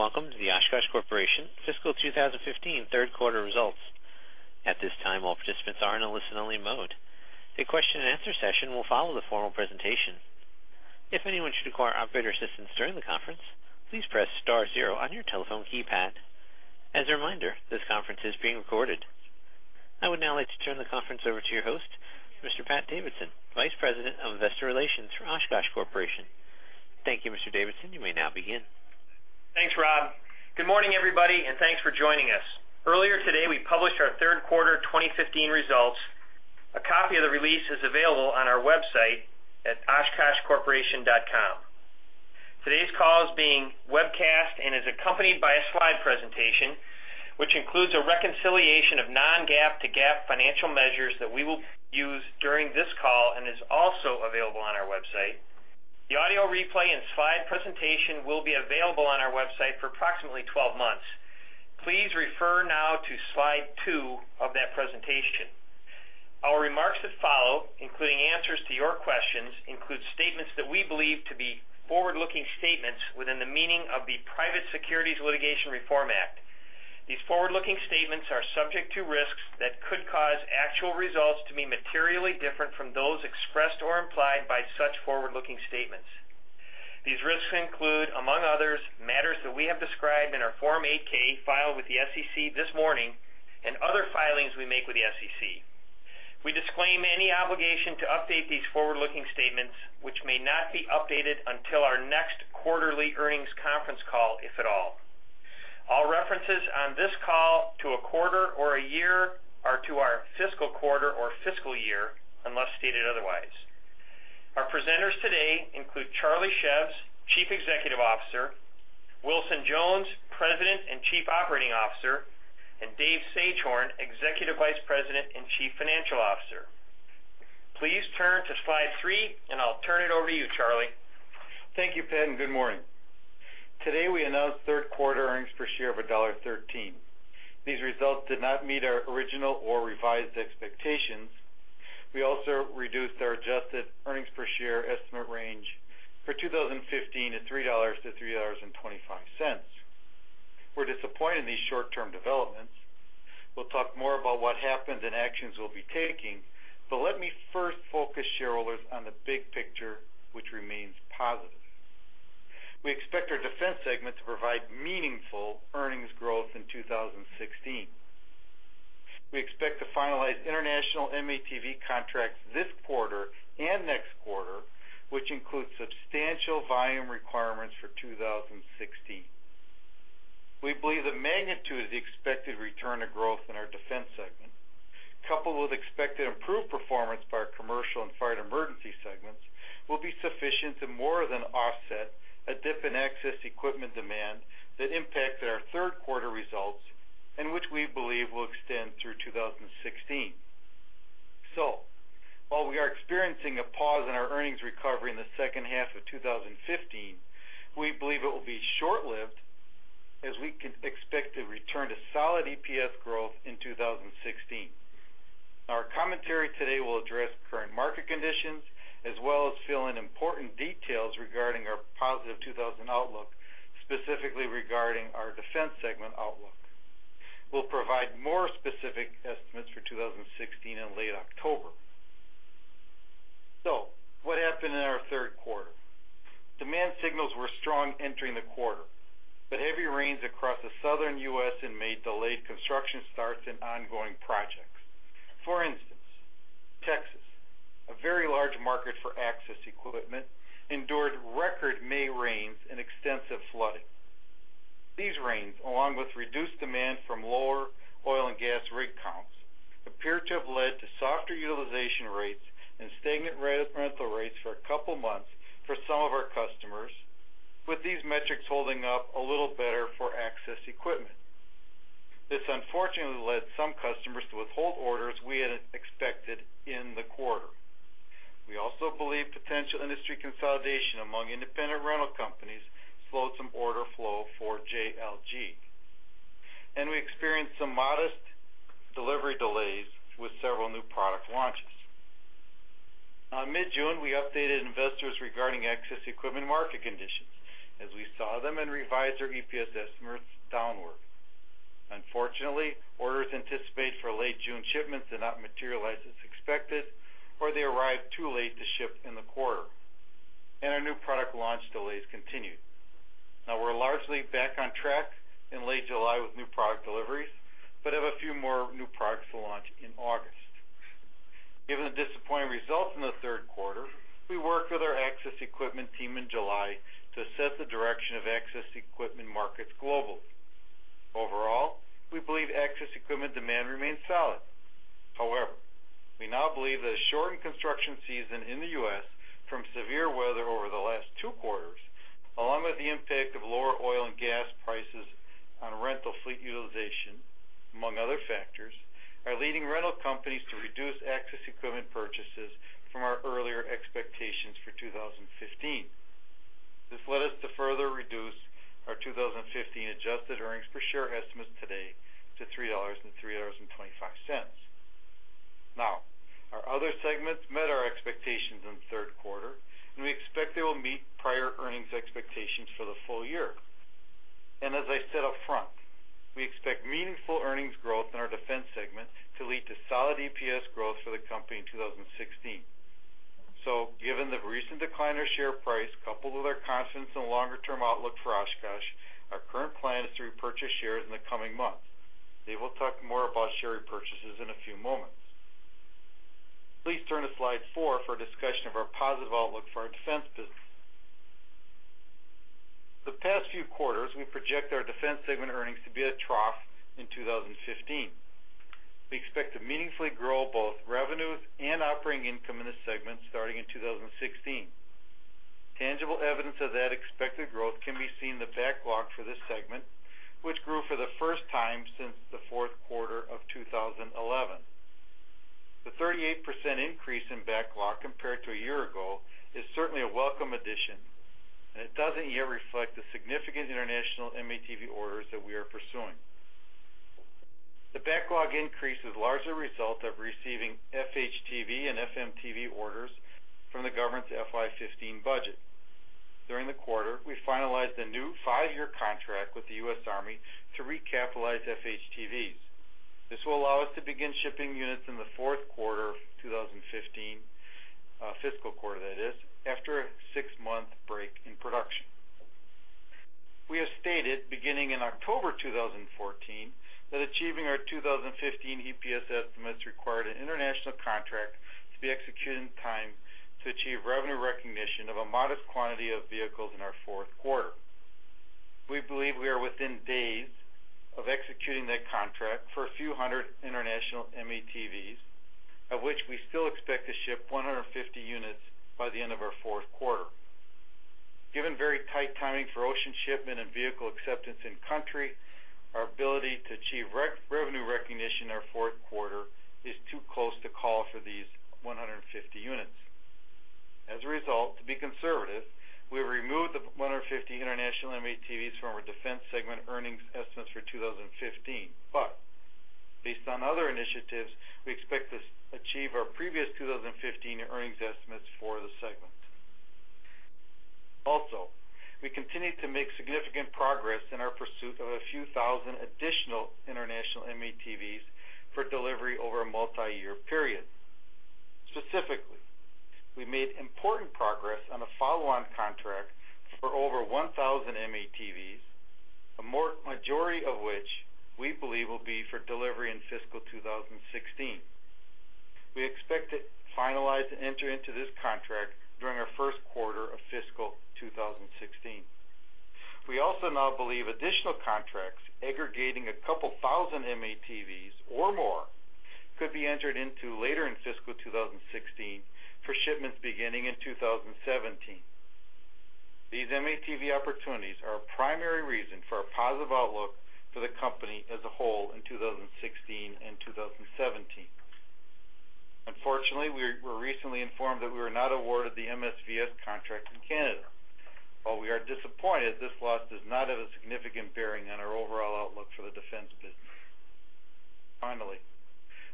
Greetings and welcome to the Oshkosh Corporation fiscal 2015 third quarter results. This time, all participants are in a listen-only mode. A question-and-answer session will follow the formal presentation. If anyone should require operator assistance during the conference, please press star zero on your telephone keypad. As a reminder, this conference is being recorded. I would now like to turn the conference over to your host, Mr. Pat Davidson, Vice President of Investor Relations for Oshkosh Corporation. Thank you, Mr. Davidson. You may now begin. Thanks, Rob. Good morning, everybody, and thanks for joining us. Earlier today, we published our third quarter 2015 results. A copy of the release is available on our website at oshkoshcorporation.com. Today's call is being webcast and is accompanied by a slide presentation, which includes a reconciliation of non-GAAP to GAAP financial measures that we will use during this call and is also available on our website. The audio replay and slide presentation will be available on our website for approximately 12 months. Please refer now to slide 2 of that presentation. Our remarks that follow, including answers to your questions, include statements that we believe to be forward-looking statements within the meaning of the Private Securities Litigation Reform Act. These forward-looking statements are subject to risks that could cause actual results to be materially different from those expressed or implied by such forward-looking statements. These risks include, among others, matters that we have described in our Form 8-K filed with the SEC this morning and other filings we make with the SEC. We disclaim any obligation to update these forward-looking statements which may not be updated until our next quarterly earnings conference call, if at all. All references on this call to a quarter or a year are to our fiscal quarter or fiscal year unless stated otherwise. Our presenters today include Charlie Szews, Chief Executive Officer, Wilson Jones, President and Chief Operating Officer and Dave Sagehorn, Executive Vice President and Chief Financial Officer. Please turn to slide three and I'll turn it over to you Charlie. Thank you, Pat, and good morning. Today we announced third quarter earnings per share of $1.13. These results did not meet our original or revised expectations. We also reduced our adjusted earnings per share estimate range for 2015 to $3-$3.25. We're disappointed in these short-term developments. We'll talk more about what happened and actions we'll be taking. But let me first focus shareholders on the big picture, which remains positive. We expect our Defense segment to provide meaningful earnings growth in 2017. We expect to finalize international M-ATV contracts this quarter and next quarter, which include substantial volume requirements for 2016. We believe the magnitude of the expected return to growth in our Defense segment, coupled with expected improved performance by our Commercial and Fire and Emergency segments, will be sufficient to more than offset a dip in Access Equipment demand that impacted our third quarter results and which we believe will extend through 2016. So while we are experiencing a pause in our earnings recovery in the second half of 2015, we believe it will be short-lived as we expect to return to solid EPS growth in 2016. Our commentary today will address current market conditions as well as fill in important details regarding our positive 2016 outlook. Specifically regarding our Defense segment outlook, we'll provide more specific estimates for 2016 in late October so what happened in our third quarter? Demand signals were strong entering the quarter, but heavy rains across the southern U.S. delayed construction starts and ongoing projects. For instance, Texas, a very large market for Access Equipment, endured record May rains and extensive flooding. These rains, along with reduced demand from lower oil and gas rig counts, appear to have led to softer utilization rates and stagnant rental rates for a couple months for some of our customers. With these metrics holding up a little better for Access Equipment, this unfortunately led some customers to withhold orders we had expected in the quarter. We also believe potential industry consolidation among independent rental companies slowed some order flow for JLG and we experienced some modest delivery delays with several new product launches on mid-June. We updated investors regarding Access Equipment market conditions as we saw them and revised our EPS estimates downward. Unfortunately, orders anticipate for late June shipments did not materialize as expected or they arrived too late to ship in the quarter and our new product launch delays continued. Now we're largely back on track in late July with new product deliveries, but have a few more new products to launch in August. Given the disappointing results in the third quarter, we worked with our Access Equipment team in July to set the direction of Access Equipment equipment markets globally. Overall, we believe Access Equipment demand remains solid. However, we now believe that a shortened construction season in the U.S. from severe weather over the last two quarters, along with the impact of lower oil and gas prices on rental fleet utilization, among other factors, are leading rental companies to reduce Access Equipment purchases from our earlier expectations for 2015. This led us to further reduce our 2015 adjusted earnings per share estimates today to $3-$3.25. Now, our other segments met our expectations in the third quarter and we expect they will meet prior earnings expectations for the full year. And as I said up front, we expect meaningful earnings growth in our Defense segment to lead to solid EPS growth for the company in 2016. So given the recent decline in our share price coupled with our confidence in longer term outlook for Oshkosh. Our current plan is to repurchase shares in the coming months. Dave will talk more about share repurchases in a few moments. Please turn to slide 4 for a discussion of our positive outlook for our defense business. The Past Few Quarters we project our Defense segment earnings to be a trough in 2015. We expect to meaningfully grow both revenues and operating income in this segment starting in 2016. Tangible evidence of that expected growth can be seen in the backlog for this segment, which grew for the first time since the fourth quarter of 2011. The 38% increase in backlog compared to a year ago is certainly a welcome addition and it doesn't yet reflect the significant international M-ATV orders that we are pursuing. The backlog increase is largely a result of receiving FHTV and FMTV orders from the government's FY15 budget. During the quarter, we finalized a new 5-year contract with the U.S. Army to recapitalize FHTVs. This will allow us to begin shipping units in the fourth quarter 2015 fiscal quarter, that is after a 6-month break in production. We have stated beginning in October 2014 that achieving our 2015 EPS estimates required an international contract to be executed in time to achieve revenue recognition of a modest quantity of vehicles in our fourth quarter. We believe we are within days of executing that contract for a few hundred international M-ATVs, of which we still expect to ship 150 units by the end of our fourth quarter. Given very tight timing for ocean shipment and vehicle acceptance in country, our ability to achieve revenue recognition in our fourth quarter is too close to call for these 150 units. As a result, to be conservative, we have removed the 150 international M-ATVs from our Defense segment earnings estimates for 2015, but based on other initiatives, we expect to achieve our previous 2015 earnings estimates for the segment. Also, we continue to make significant progress in our pursuit of a few thousand additional international M-ATVs for delivery over a multiyear period. Specifically, we made important progress on a follow-on contract for over 1,000 M-ATVs, a majority of which we believe will be for delivery in fiscal 2016. We expect to finalize and enter into this contract during our first quarter of fiscal 2016. We also now believe additional contracts aggregating a couple thousand M-ATVs or more could be entered into later in fiscal 2016 for shipments beginning in 2017. These M-ATV opportunities are a primary reason for a positive outlook for the company as a whole in 2016 and 2017. Unfortunately, we were recently informed that we were not awarded the MSVS contract in Canada. While we are disappointed, this loss does not have a significant bearing on our overall outlook for the defense business. Finally,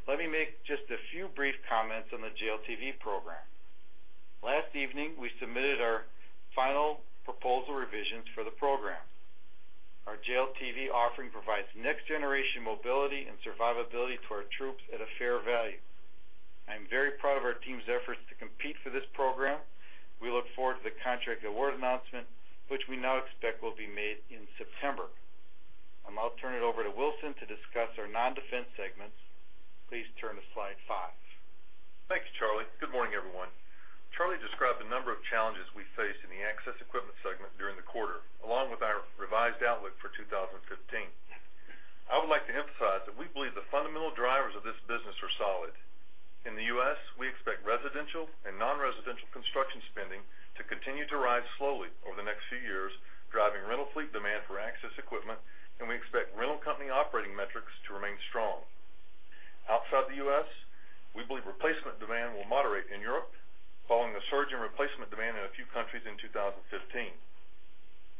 let me make just a few brief comments on the JLTV program. Last evening we submitted our final proposal revisions for the program. Our JLTV offering provides next generation mobility and survivability to our troops at a fair value. I'm very proud of our team's efforts to compete for this program. We look forward to the contract award announcement which we now expect will be made in September. I'll now turn it over to Wilson to discuss our non-Defense segments. Please turn to Slide 5. Thanks, Charlie. Good morning, everyone. Charlie described a number of challenges we faced in the Access Equipment segment during the quarter along with our revised outlook for 2015. I would like to emphasize that we believe the fundamental drivers of this business are solid. In the U.S. we expect residential and nonresidential construction spending to continue to rise slowly over the next few years, driving rental fleet demand for access equipment, and we expect rental company operating metrics to remain strong. Outside the U.S. we believe replacement demand will moderate in Europe following a surge in replacement demand in a few countries in 2015.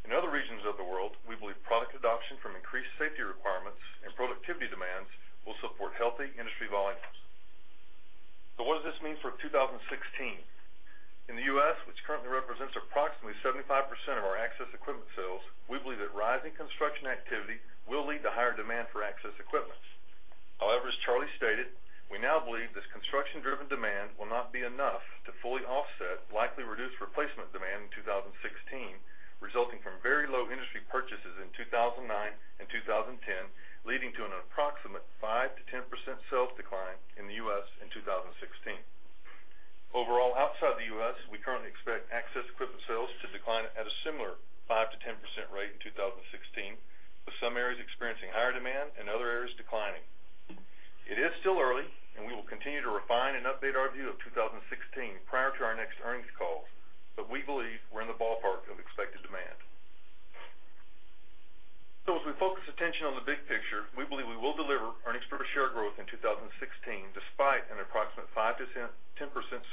In other regions of the world, we believe product adoption from increased safety requirements and productivity demands will support healthy industry volumes. So what does this mean for 2016? In the U.S., which currently represents approximately 75% of our access equipment sales, we believe that rising construction activity will lead to higher demand for access equipment. However, as Charlie stated, we now believe this construction driven demand will not be enough to fully offset likely reduced replacement demand in 2016 resulting from very low industry purchases in 2009 and 2010 leading to an approximate 5%-10% sales decline in the U.S. in 2016 overall. Outside the U.S. we currently expect access equipment sales to decline at a similar level, 5%-10% rate in 2016 with some areas experiencing higher demand and other areas declining. It is still early and we will continue to refine and update our view of 2016 prior to our next earnings calls. But we believe we're in the ballpark of expected demand. As we focus attention on the big picture, we believe we will deliver earnings per share growth in 2016 despite an approximate 5%-10%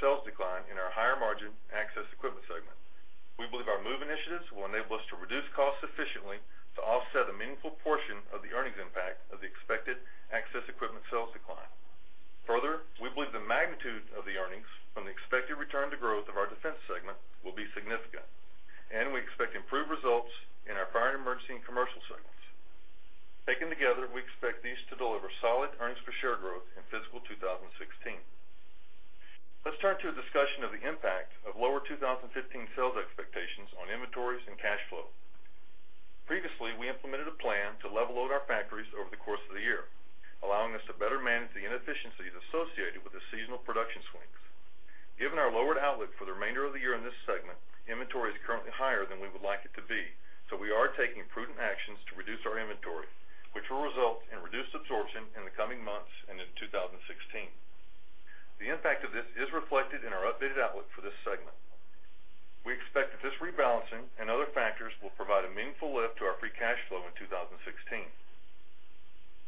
sales decline in our higher margin and access equipment segment. We believe our MOVE initiatives will enable us to reduce costs sufficiently to offset a meaningful portion of the earnings impact of the expected access equipment sales decline. Further, we believe the magnitude of the earnings from the expected return to growth of our Defense segment will be significant and we expect improved results in our Fire and Emergency and Commercial segments. Taken together, we expect these to deliver solid earnings per share growth in fiscal 2017. Let's turn to a discussion of the impact of lower 2015 sales expectations on inventories and cash flow. Previously, we implemented a plan to level load our factories over the course of the year, allowing us to better manage the inefficiencies associated with the seasonal production swings. Given our lowered outlook for the remainder of the year in this segment, inventory is currently higher than we would like it to be, so we are taking prudent actions to reduce our inventory, which will result in reduced absorption in the coming months and in 2016. The impact of this is reflected in our updated outlook for this segment. We expect that this rebalancing and other factors will provide a meaningful lift to our Free Cash Flow in 2016.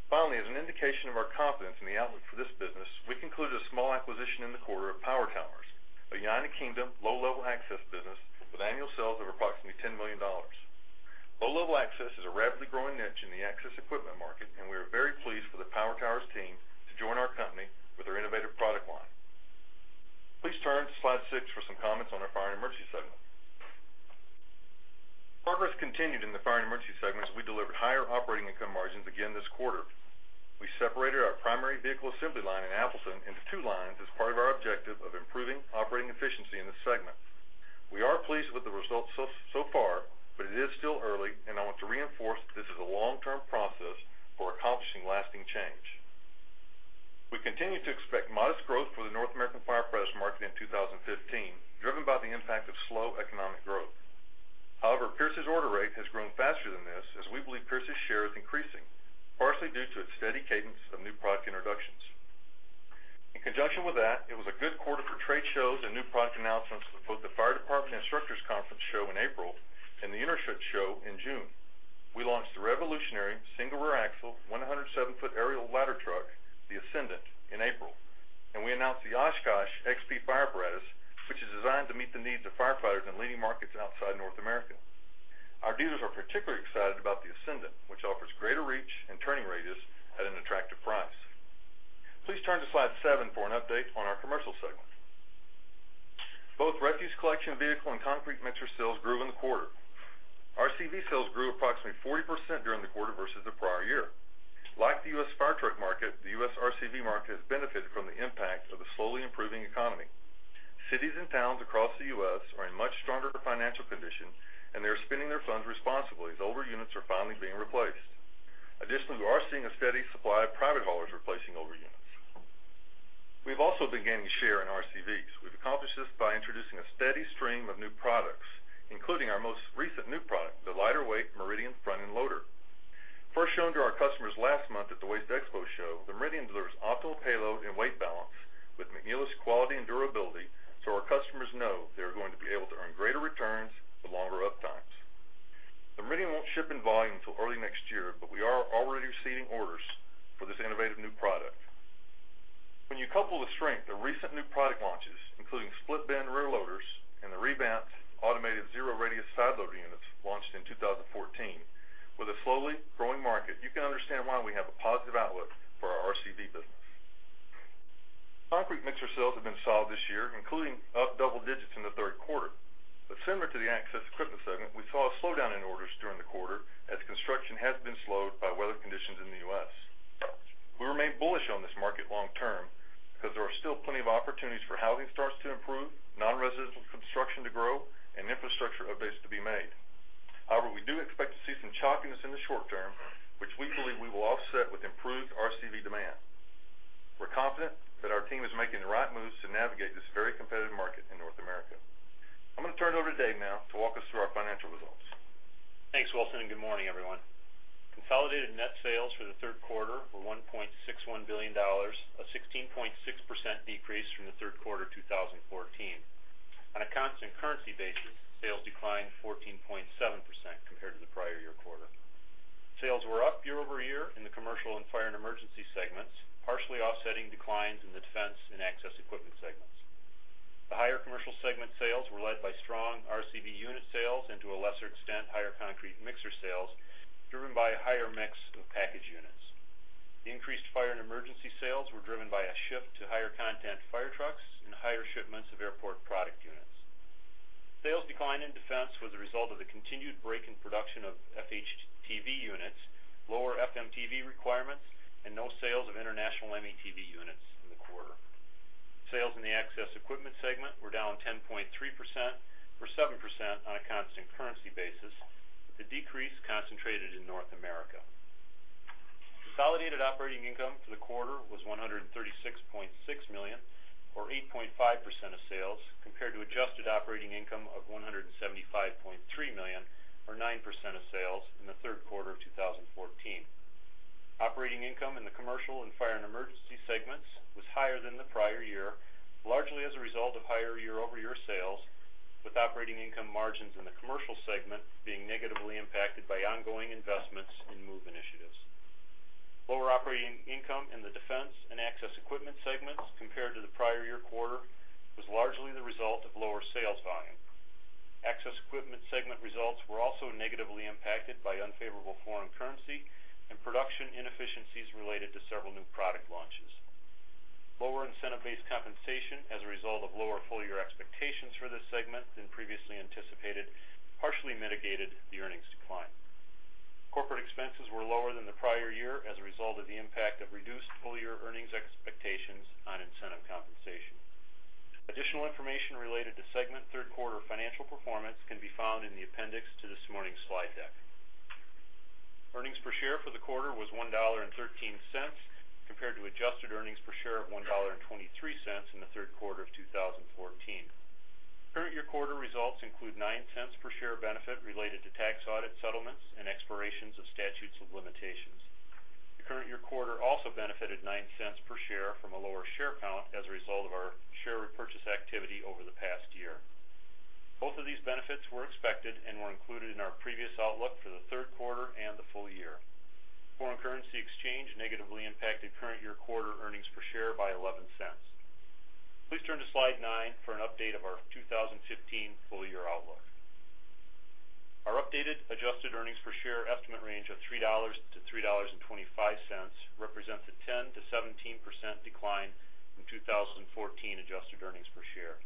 Finally, as an indication of our confidence in the outlook for this business, we concluded a small acquisition in the quarter of Power Towers, a United Kingdom low level access business with annual sales of approximately $10 million. Low-level access is a rapidly growing niche in the access equipment market and we are very pleased for the Power Towers team to join our company with their innovative product line. Please turn to Slide 6 for some comments on our Fire and Emergency segment. Progress continued in the Fire and Emergency segments as we delivered higher operating income margins. Again this quarter we separated our primary vehicle assembly line in Appleton into two lines as part of our objective of improving operating efficiency in the Service segment. We are pleased with the results so far, but it is still early and I want to reinforce this is a long-term process for accomplishing lasting change. We continue to expect modest growth for the North American firefighters market in 2015 driven by the impact of slow economic growth. However, Pierce's order rate has grown faster than this as we believe Pierce's share is increasing partially due to its steady cadence of new product introductions. In conjunction with that, it was a good quarter for trade shows and new product announcements for both the Fire Department Instructors Conference show in April and the Interschutz in June. We launched the revolutionary single-rear-axle 107-foot aerial ladder truck, the Ascendant, in April and we announced the Oshkosh XP fire apparatus which is designed to meet the needs of firefighters in leading markets outside North America. Our dealers are particularly excited about the Ascendant, which offers greater reach and turning radius at an attractive price. Please turn to Slide 7 for an update on our Commercial segment. Both refuse collection vehicle and concrete mixer sales grew in the quarter. RCV sales grew approximately 40% during the quarter versus the prior year. Like the U.S. fire truck market, the U.S. RCV market has benefited from the impact of the slowly improving economy. Cities and towns across the U.S. are in much stronger financial condition and they are spending their funds responsibly as older units are finally being replaced. Additionally, we are seeing a steady supply of private haulers replacing older units. We have also been gaining share in RCVs. We've accomplished this by introducing a steady stream of new products, including our most recent new product, the lighter weight Meridian Front End Loader. First shown to our customers last month at the Waste Expo show. The Meridian delivers optimal payload and weight balance with McNeilus quality and durability so our customers know they are going to be able to earn greater returns with longer uptimes. The Meridian won't ship in volume until early next year, but we are already receiving orders for this innovative new product. When you couple the strength of recent new product launches including split bin rear loaders and the revamped automated zero radius side loader units launched in 2014 with a slowly growing market, you can understand why we have a positive outlook for our RCV business. Concrete mixer sales have been solid this year, including up double digits in the third quarter, but similar to the access equipment segment, we saw a slowdown in orders during the quarter as construction has been slowed by weather conditions in the US, we remain bullish on this market long-term because there are still plenty of opportunities for housing starts to improve, non-residential construction to grow and infrastructure updates to be made. However, we do expect to see some choppiness in the short term, which we believe we will offset with improved RCV demand. We're confident that our team is making the right moves to navigate this very competitive market in North America. I'm going to turn it over to. Dave, now to walk us through our financial results. Thanks Wilson and good morning everyone. Consolidated net sales for the third quarter were $1.61 billion, a 16.6% decrease from the third quarter 2014. On a constant currency basis, sales declined 14.7% compared to the prior year. Quarter sales were up year-over-year in the Commercial and Fire and Emergency segments, partially offsetting declines in the defense and Access Equipment segments. The higher Commercial segment sales were led by strong RCV unit sales and to a lesser extent higher concrete mixer sales driven by a higher mix of package units. Increased Fire and Emergency sales were driven by a shift to higher content fire trucks and higher shipments of airport product units. Sales decline in Defense was a result of the continued break in production of FHTV units, lower FMTV requirements and no sales of international M-ATV units in the quarter. Sales in the Access Equipment segment were down 10.3% or 7% on a constant currency basis, with the decrease concentrated in North America. Consolidated operating income for the quarter was $136 million, or 8.5% of sales compared to adjusted operating income of $175.3 million, or 9% of sales in the third quarter of 2014. Operating income in the Commercial and Fire and Emergency segments was higher than the prior year largely as a result of higher year-over-year sales, with operating income margins in the Commercial segment being negatively impacted by ongoing investments in MOVE initiatives. Lower operating income in the Defense and Access Equipment segments compared to the prior year quarter was largely the result of lower sales volume. Access Equipment segment results were also negatively impacted by unfavorable foreign currency and production inefficiencies related to several new product launches. Lower incentive-based compensation as a result of lower full-year expectations for this segment than previously anticipated partially mitigated the earnings decline. Corporate expenses were lower than the prior year as a result of the impact of reduced full-year earnings expectations on incentive compensation. Additional information related to segment third-quarter financial performance can be found in the appendix to this morning's slide deck. Earnings per share for the quarter was $1.13 compared to adjusted earnings per share of $1.23 in the third quarter of 2020. Current year quarter results include $0.09 per-share benefit related to tax audit settlements and expirations of statutes of limitations. The current year quarter also benefited $0.09 per share from a lower share count as a result of our share repurchase activity over the past year. Both of these benefits were expected and were included in our previous outlook for the third quarter and the full year. Foreign currency exchange negatively impacted current year quarter earnings per share by $0.11. Please turn to Slide 9 for an update of our 2015 full year outlook. Our updated adjusted earnings per share estimate range of $3-$3.25 represents a 10%-17% decline from 2014 adjusted earnings per share.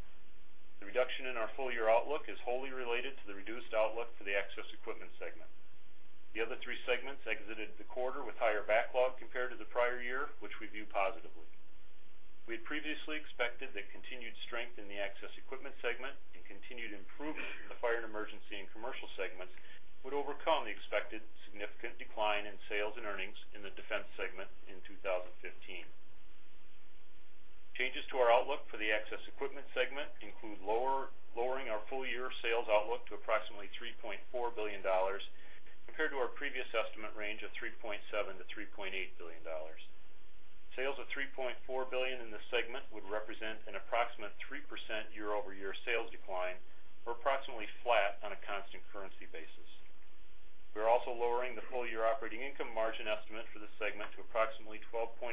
The reduction in our full year outlook is wholly related to the reduced outlook for the Access Equipment segment. The other three segments exited the quarter with higher backlog compared to the prior year, which we view positively. We had previously expected that continued strength in the Access Equipment segment and continued improvement in the Fire and Emergency and Commercial segments would overcome the expected significant decline in sales and earnings in the Defense segment in 2015. Changes to our outlook for the Access Equipment segment include lowering our full year sales outlook to approximately $3.4 billion compared to our previous estimate range of $3.7 billion-$3.8 billion. Sales of $3.4 billion in this segment would represent an approximate 3% year-over-year sales decline or approximately flat on a constant currency basis. We are also lowering the full year operating income margin estimate for this segment to approximately 12.8%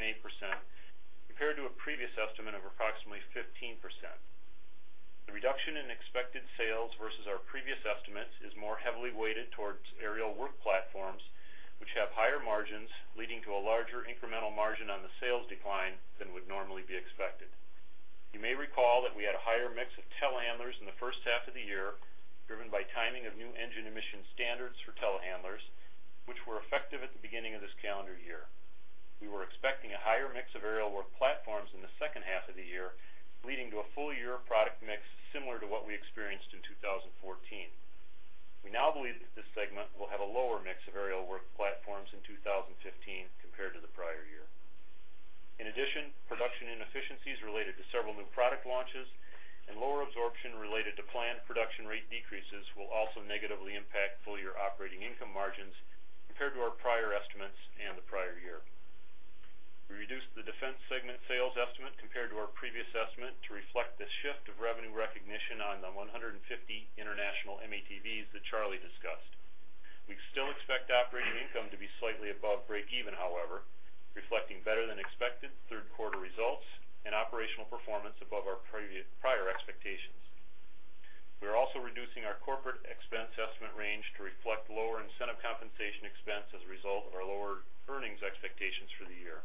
compared to a previous estimate of approximately 15%. The reduction in expected sales versus our previous estimates is more heavily weighted towards aerial work platforms which have higher margins leading to a larger incremental margin on the sales decline than would normally be expected. You may recall that we had a higher mix of telehandlers in the first half of the year driven by timing of new engine emission standards for telehandlers which were effective at the beginning of this calendar year. We were expecting a higher mix of aerial work platforms in the second half of the year leading to a full year product mix similar to what we experienced in 2014. We now believe that this segment will have a lower mix of aerial work platforms in 2015 compared to the prior year. In addition, production inefficiencies related to several new product launches and lower absorption related to planned production rate decreases will also negatively impact full year operating income margins compared to our prior estimates and the prior year. We reduced the Defense segment sales estimate compared to our previous estimate to reflect the shift of revenue recognition on the 150 international M-ATVs that Charlie discussed. We still expect operating income to be slightly above breakeven, however, reflecting better than expected third quarter results and operational performance above our prior expectations. We are also reducing our corporate expense estimate range to reflect lower incentive compensation expense as a result of our lower earnings expectations for the year.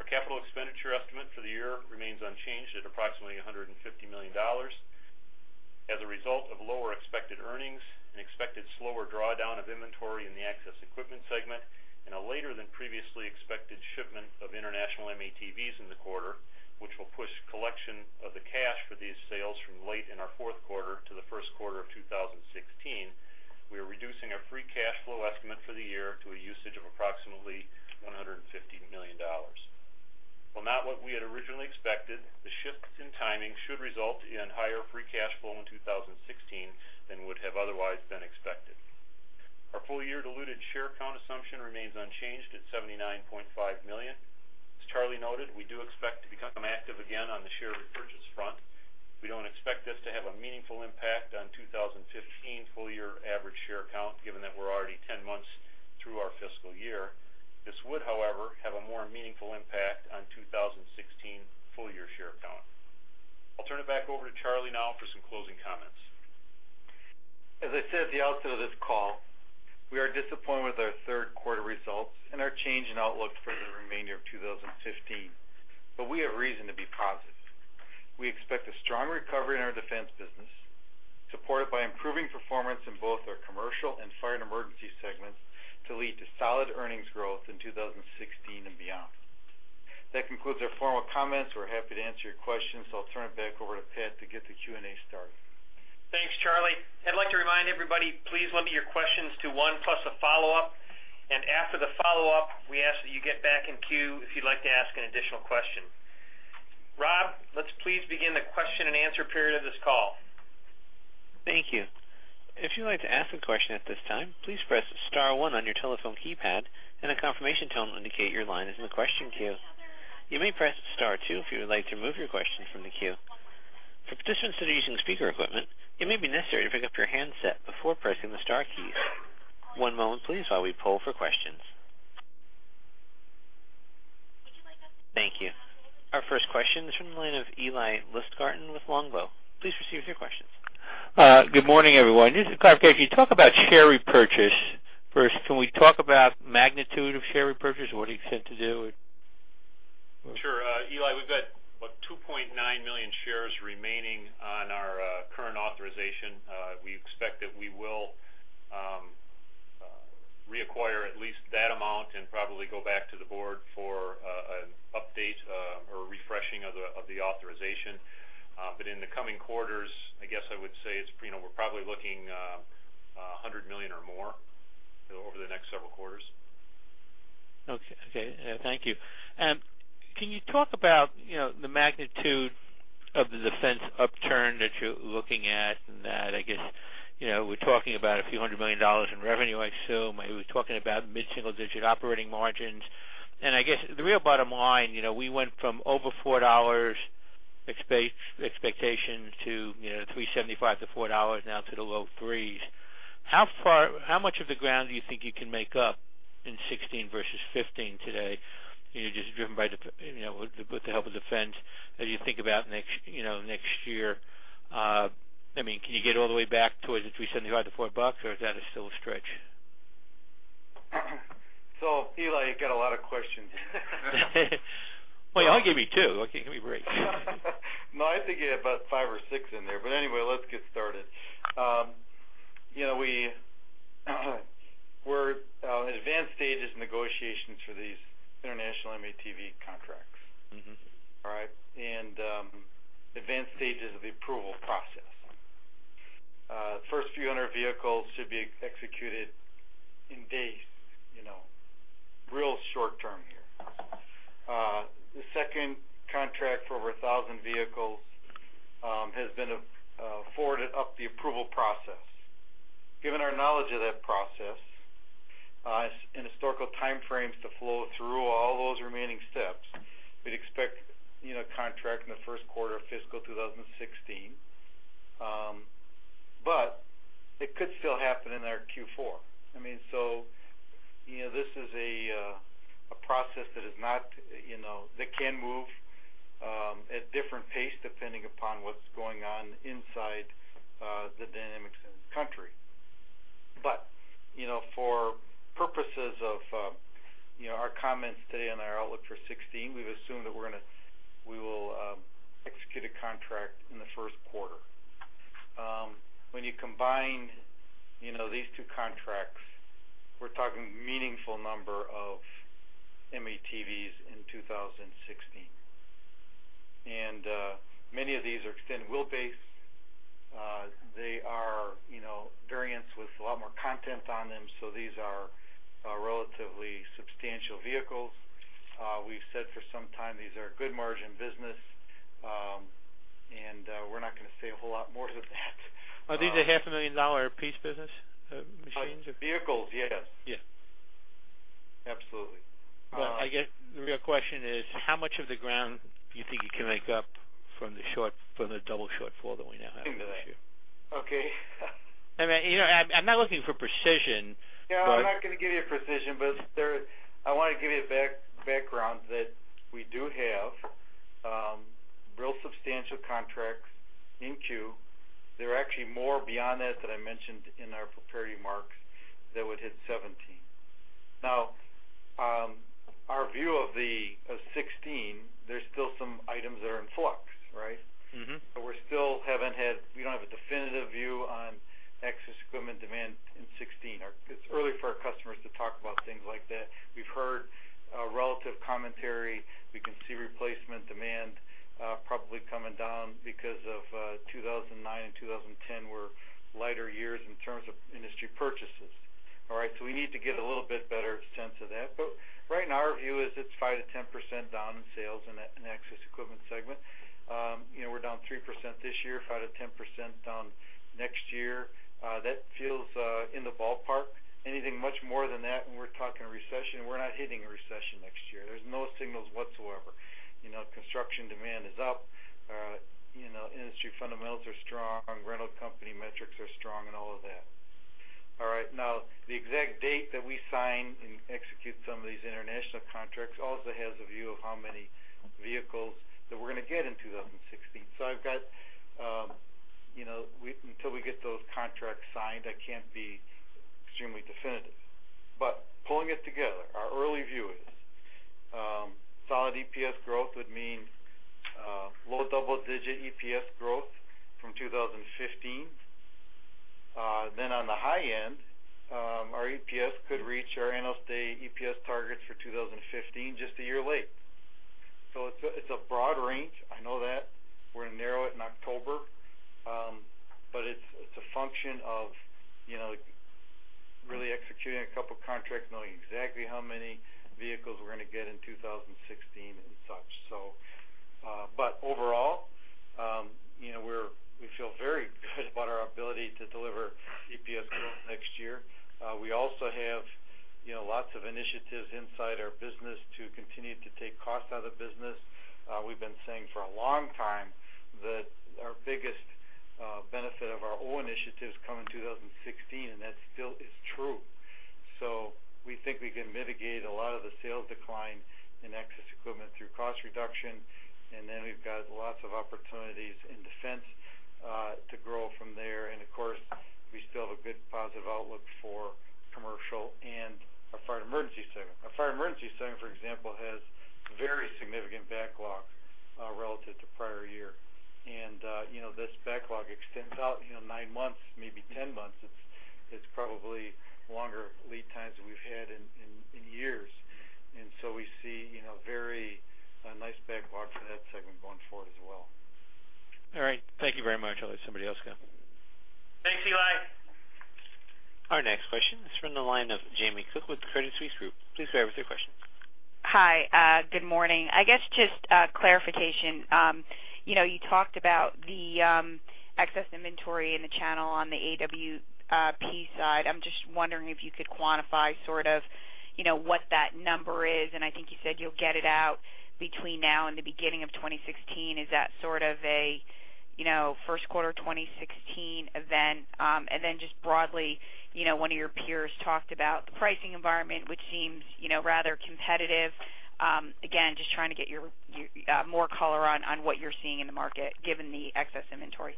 Our capital expenditure estimate for the year remains unchanged at approximately $150 million as a result of lower expected earnings, an expected slower drawdown of inventory in the Access Equipment segment and a later than previously expected shipment of international M-ATVs in the quarter which will push collection of the cash for these sales from late in our fourth quarter to the first quarter of 2006. We are reducing our free cash flow estimate for the year to a usage of approximately $150 million. While not what we had originally expected, the shifts in timing should result in higher free cash flow in 2016 than would have otherwise been expected. Our full year diluted share count assumption remains unchanged at 79.5 million. As Charlie noted, we do expect to become active again on the share repurchase front. We don't expect this to have a meaningful impact on 2015 full year average share count given that we're already 10 months through our fiscal year. This would, however, have a more meaningful impact on 2016 full year share count. I'll turn it back over to Charlie now for some closing comments. As I said at the outset of this call, we are disappointed with our third quarter results and our change in outlook for the remainder of 2015, but we have reason to be positive. We expect a strong recovery in our defense business supported by improving performance in both our Commercial and Fire and Emergency segments to lead to solid earnings growth in 2016 and beyond. That concludes our formal comments. We're happy to answer your questions. I'll turn it back over to Pat to get the Q and A started. Thanks, Charlie. I'd like to remind everybody, please limit your questions to one plus a follow up. After the follow up, we ask that you get back in queue if you'd like to ask an additional question. Rob, let's please begin the question and answer period of this call. Thank you. If you'd like to ask a question at this time, please press star1 on your telephone keypad and a confirmation tone will indicate your line is in the question queue. You may press Star two if you would like to remove your question from the queue. For participants that are using speaker equipment, it may be necessary to pick up your handset before pressing the star keys. One moment please, while we poll for questions. Thank you. Our first question is from the line of Eli Lustgarten with Longbow. Please proceed with your questions. Good morning everyone. Just a clarification. You talk about share repurchase first. Can we talk about magnitude of share repurchase or what do you expect to do? Sure, Eli. We've got 2.9 million shares remaining on our current authorization. We expect that we will reacquire at least that amount and probably go back to the board for an update or refreshing of the authorization. But in the coming quarters, I guess I would say we're probably looking 100 million or more over the next several quarters. Okay, thank you. Can you talk about the magnitude of the defense upturn that you're looking at and that I guess, you know, we're talking about a few hundred million dollars in revenue? I assume we're talking about mid-single-digit operating margins and I guess the real bottom line, you know, we went from over $4 expectations to, you know, $3.75-$4 now to the low $3s. How far? How much of the ground do you think you can make up in 2016 vs. 2015 today? Just driven by with the help of defense as you think about next year, I mean can you get all the way back towards the $3.75-$4 or is that still a stretch? Eli, you got a lot of questions. Well, you only gave me two. Okay, give me a break. No, I think you have about 5 or 6 in there. But anyway, let's get started. You know, we're in advanced stages of negotiations for these international M-ATV contracts. All right. And advanced stages of the approval process. First few hundred vehicles should be executed in days. You know, real short term here. The second contract for over 1,000 vehicles has been forwarded up the approval process. Given our knowledge of that process in historical time frames to flow through all those remaining steps, we'd expect a contract in the first quarter of fiscal 2016. But it could still happen in our Q4. I mean, so this is a process that is not that can move at different pace depending upon what's going on inside the dynamics in the country. But you know, for purposes of, you know, our comments today on our outlook for 2016, we've assumed that we will execute a contract in the first quarter. When you combine, you know, these two contracts, we're talking meaningful number of M-ATVs in 2006 and many of these are extended wheelbase. They are variants with a lot more content on them. So these are relatively substantial vehicles. We've said for some time these are good margin business and we're not going to say a whole lot more than that. Are these $500,000? Pierce business machines vehicles? Yes, absolutely. I guess the real question is how much of the ground do you think you can make up from the short, from the double shortfall that we now have? Okay, I'm not looking for precision. Yeah, I'm not going to give you precision, but I want to give you a background that we do have real substantial contracts in queue. There are actually more beyond that that I mentioned in our prepared remarks that would hit 17. Now our view of the 2016, there's still some items that are in flux. Right. But we still haven't had. We don't have a definitive view on Access Equipment demand in 2016. It's early for our customers to talk about things like that. We've heard relative commentary. We can see replacement demand probably coming down because 2009 and 2010 were lighter years in terms of industry purchases. All right, so we need to get a little bit better sense of that. But right now our view is it's 5%-10% down in sales and Access Equipment segment. You know, we're down 3% this year, 5%-10% down next year. That feels in the ballpark. Anything much more than that and we're talking a recession. We're not hitting a recession next year. There's no signals whatsoever. Construction demand is up. You know, industry fundamentals are strong, rental company metrics are strong and all of that. All right now the exact date that we sign and execute some of these international contracts also has a view of how many vehicles that we're going to get in 2016. So I've got, you know, until we get those contracts signed, I can't be extremely definitive. But pulling it together, our early view is solid EPS growth would mean low double-digit EPS growth from 2015. Then on the high end our EPS could reach our Analyst Day EPS targets for 2015 just a year late. So it's a broad range. I know that we're narrowing it in October, but it's a function of. Really. Executing a couple contracts knowing exactly how many vehicles we're going to get in 2016 and such. But overall we feel very good about our ability to deliver EPS growth next year. We also have lots of initiatives inside our business to continue to take cost out of the business. We've been saying for a long time that our biggest benefit of our old initiatives come in 2016 and that still is true. So we think we can mitigate a lot of the sales decline in Access Equipment through cost reduction and then we've got lots of opportunities in defense to grow from there. And of course we still have a good positive outlook for Commercial and our Fire and Emergency segment. Our Fire and Emergency segment, for example, has very significant backlogs relative to prior year. And this backlog extends out 9 months, maybe 10 months. It's probably longer lead times than we've had in years. And so we see very nice backlog for that segment going forward as well. All right, thank you very much. I'll let somebody else go. Thanks, Eli. Our next question is from the line of Jamie Cook with the Credit Suisse Group. Please bear with your questions. Hi, good morning. I guess just clarification, you talked about the excess inventory in the channel on the AWP side. I'm just wondering if you could quantify sort of what that number is. And I think you said you'll get it out between now and the beginning of 2016. Is that sort of a first quarter 2016 event? And then just broadly one of your peers talked about the pricing environment, which seems rather competitive. Again, just trying to get more color on what you're seeing in the market, given the excess inventory.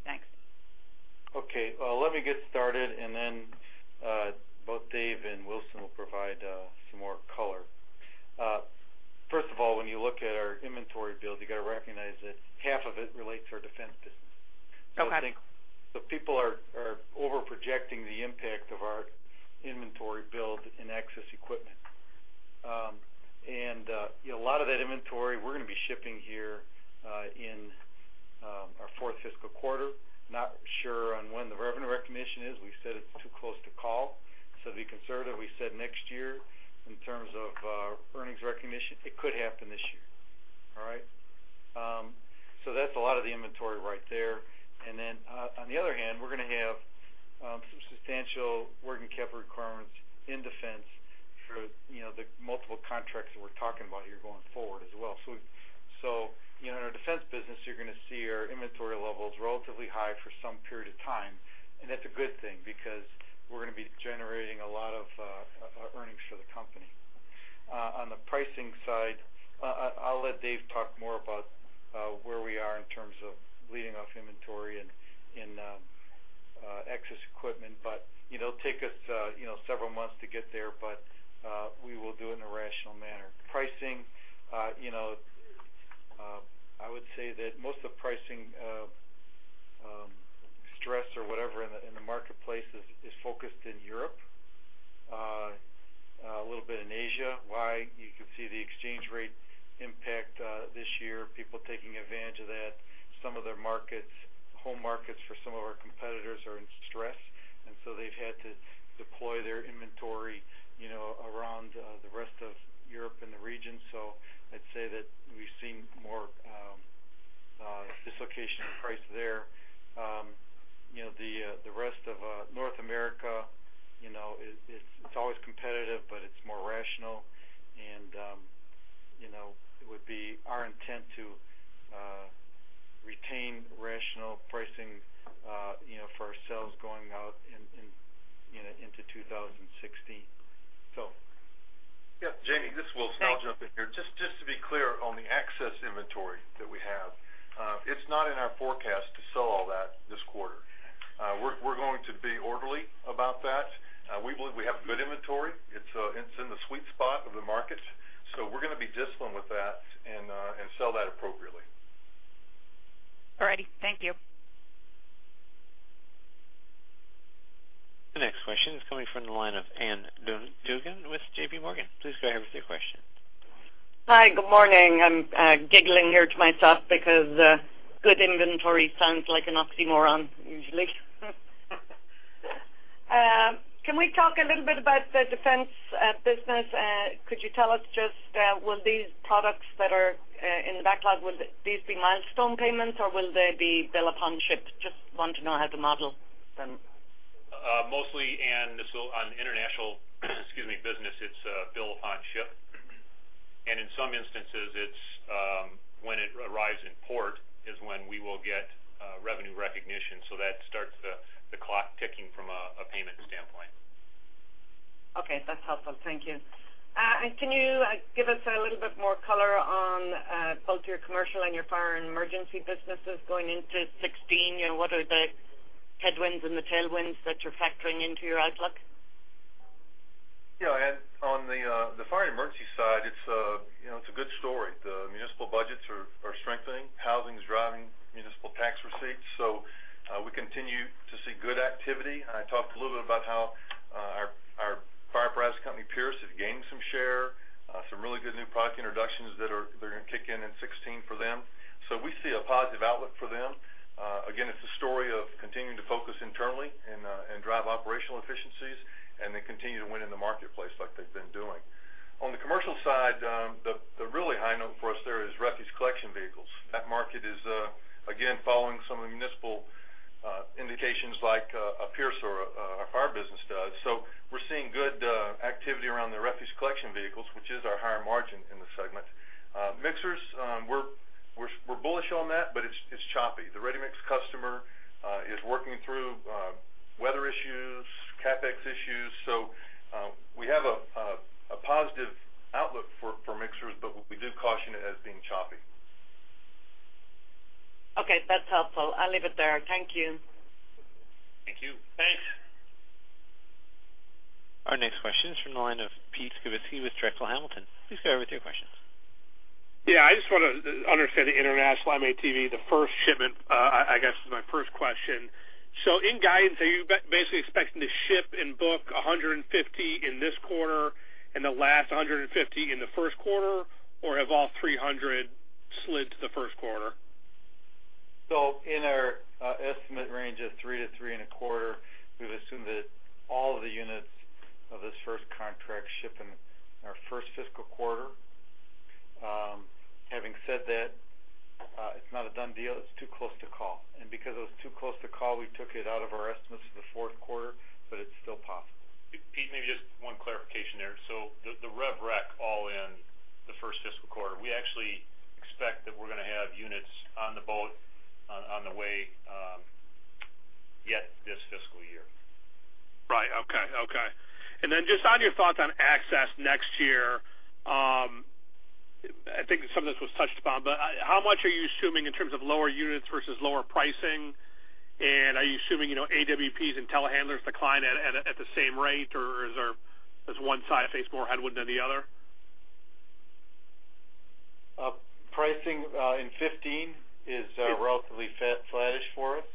Okay, let me get started. And then both Dave and Wilson will provide some more color. First of all, when you look at our inventory build, you got to recognize that half of it relates to our defense business. I think people are over projecting the impact of our inventory build in access equipment, and a lot of that inventory we're going to be shipping here in our fourth fiscal quarter. Not sure on when the revenue recognition is. We said it's too close to call, so be conservative. We said next year in terms of earnings recognition, it could happen this year. All right, so that's a lot of the inventory right there. And then on the other hand, we're going to have some substantial working capital requirements in defense for the multiple contracts that we're talking about here going forward as well. So in our defense business, you're going to see our inventory levels relatively high for some period of time, and that's a good thing because we're going to be generating a lot of earnings for the company. On the pricing side, I'll let Dave talk more about where we are in terms of bleeding off inventory and Access Equipment. But it will take us several months to get there, but we will do it in a rational manner. Pricing, I would say that most of the pricing stress or whatever in the marketplace is focused in Europe a little bit in Asia. Why? You can see the exchange rate impact this year, people taking advantage of that. Some of their markets, home markets for some of our competitors are in stress. And so they've had to deploy their inventory, you know, around the rest of Europe and the region. So I'd say that we've seen more dislocation price there. You know, the rest of North America, you know, it's always competitive, but it's more rational. And, you know, it would be our intent to retain rational pricing, you know, for ourselves going out into 2016. So, yeah, Jamie, this is Wilson. I'll jump in here. Just to be clear, on the access inventory that we have, it's not in our forecast to sell all that this quarter. We're going to be orderly about that. We believe we have good inventory. It's in the sweet spot of the market, so we're going to be disciplined with that and sell that appropriately. All righty, thank you. The next question is coming from the line of Ann Duignan with J.P. Morgan. Please go ahead with your question. Hi, good morning. I'm giggling here to myself because good inventory sounds like an oxymoron usually. Can we talk a little bit about the defense business? Could you tell us just will these products that are in the backlog, will these be milestone payments or will they be bill upon ship? Just want to know how to model them. Mostly on international, excuse me, business. It's bill upon shipment and in some instances it's when it arrives in port is when we will get revenue recognition. So that starts the clock ticking from a payment standpoint. Okay, that's helpful. Thank you. And can you give us a little bit more color on both your Commercial and your Fire and Emergency businesses going into 2016 and what are the headwinds and the tailwinds that you're factoring into your outlook? Yeah, on the Fire and Emergency side, it's, you know, it's a good story. The municipal budgets are strengthening. Housing is driving municipal tax receipts. So we continue to see good activity. I talked a little bit about how our fire and rescue company Pierce has gained some share, some really good new product introductions that are going to kick in in 2016 for them. So we see a positive outlook for them. Again, it's a story of continuing to focus internally and drive operational efficiencies and then continue to win in the marketplace like they've been doing on the Commercial side. The really high note for us there is refuse collection vehicles. That market is again following some of the municipal indications like a Pierce or a fire business does. So we're seeing good activity around the refuse collection vehicles, which is our higher margin in the segment mixers. We're bullish on that, but it's choppy. The ready mix customer is working through weather issues, CapEx issues. So we have a positive outlook for mixers, but we do caution it as being choppy. Okay, that's helpful. I'll leave it there. Thank you. Thank you. Thanks. Our next question is from the line of Pete Skibitski with Drexel Hamilton. Please go ahead with your questions. Yeah, I just want to understand the international M-ATV. The first shipment, I guess, is my first question. So in guidance, are you basically expecting to ship and book 150 in this quarter and the last 150 in the. First quarter or have all 300 slid. To the first quarter? So in our estimate range of $3-$3.25, we've assumed that all of the units of this first contract ship in our first fiscal quarter. Having said that, it's not a done deal. It's too close to call. And because it was too close to call. We took it out of our estimates for the fourth quarter, but it's still possible. Pete, maybe just one clarification there. So the rev rec all in the first fiscal quarter, we actually expect that we're going to have units on the boat on the way yet this fiscal year. Right. Okay. Okay. And then just on your thoughts on Access next year, I think some of this was touched upon. But how much are you assuming in terms of lower units versus lower pricing and are you assuming, you know, AWPs and telehandlers decline at the same rate or does one side face more headwind than the other? Pricing in 2015 is relatively flattish for us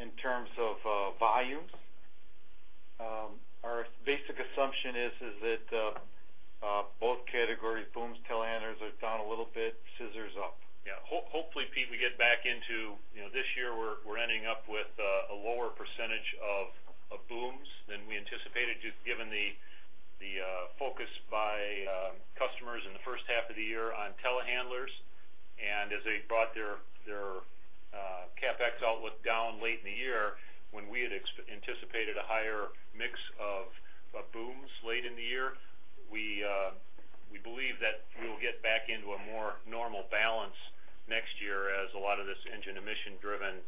in terms of volumes. Our basic assumption is that both categories, booms, telehandlers are down a little bit. Scissors up. Yeah, hopefully, Pete, we get back into this year. We're ending up with a lower percentage of booms than we anticipated. Just given the focus by customers in the first half of the year on telehandlers and as they brought their CapEx outlook down late in the year when we had anticipated a higher mix of booms late in the year, we believe that we will get back into a more normal balance next year as a lot of this engine emission driven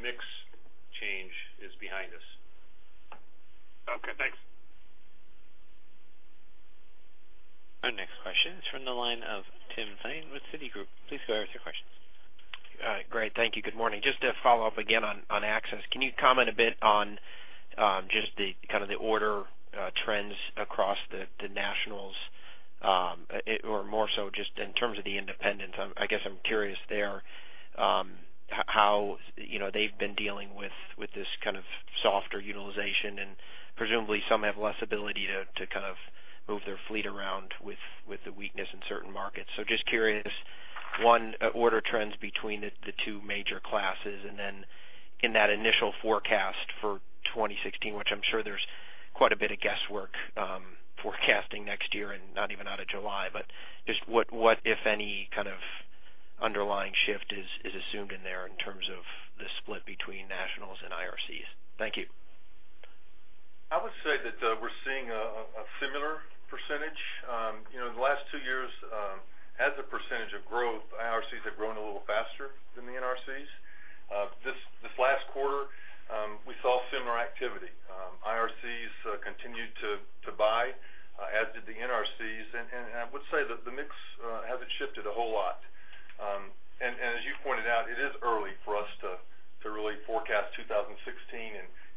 mix change is behind us. Okay, thanks. Our next question is from the line of Tim Thein with Citigroup. Please go ahead with your questions. Great, thank you. Good morning. Just to follow up again on Access, can you comment a bit on just kind of the order trends across the nationals or more so just in terms of the independents? I guess I'm curious there how they've been dealing with this kind of softer utilization. And presumably some have less ability to kind of move their fleet around with the weakness in certain markets. So just curious one, order trends between the two major classes. And then in that initial forecast for 2016, which I'm sure there's quite a bit of guesswork forecasting next year and not even out of July. But just what if any kind of underlying shift is assumed in there in terms of the split between nationals and IRCs? Thank you. I would say that we're seeing a similar percentage the last two years as a percentage of growth. IRCs have grown a little faster than the NRCs. This last quarter we saw similar activity. IRCs continued to buy, as did the NRCs. And I would say that the mix hasn't shifted a whole lot. And as you pointed out, it is early for us to really forecast 2016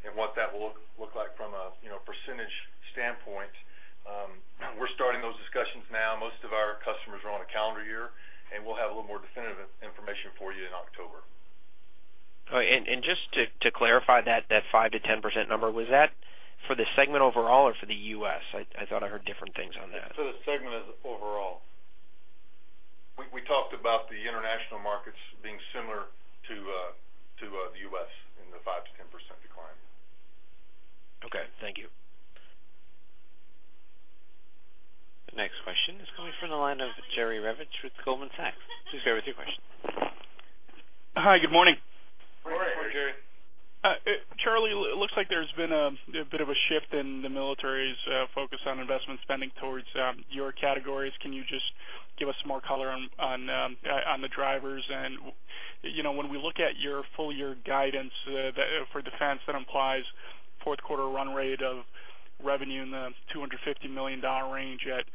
and what that will look like from a percentage standpoint. We're starting those discussions. Now, most of our customers are on a calendar year and we'll have a little more definitive information for you in October. Just to clarify, that 5%-10% number, was that for the segment overall or for the U.S.? I thought I heard different things on that. For the segment overall, we talked about. The international markets being similar to the U.S. in the 5%-10% decline. Okay, thank you. The next question is coming from the line of Jerry Revich with Goldman Sachs. Please go with your question. Hi, good morning. Charlie. It looks like there's been a bit of a shift in the military's focus on investment spending towards your categories. Can you just give us some more color on the drivers? When we look at your full year guidance for defense, that implies fourth quarter run rate of revenue in the $250 million range at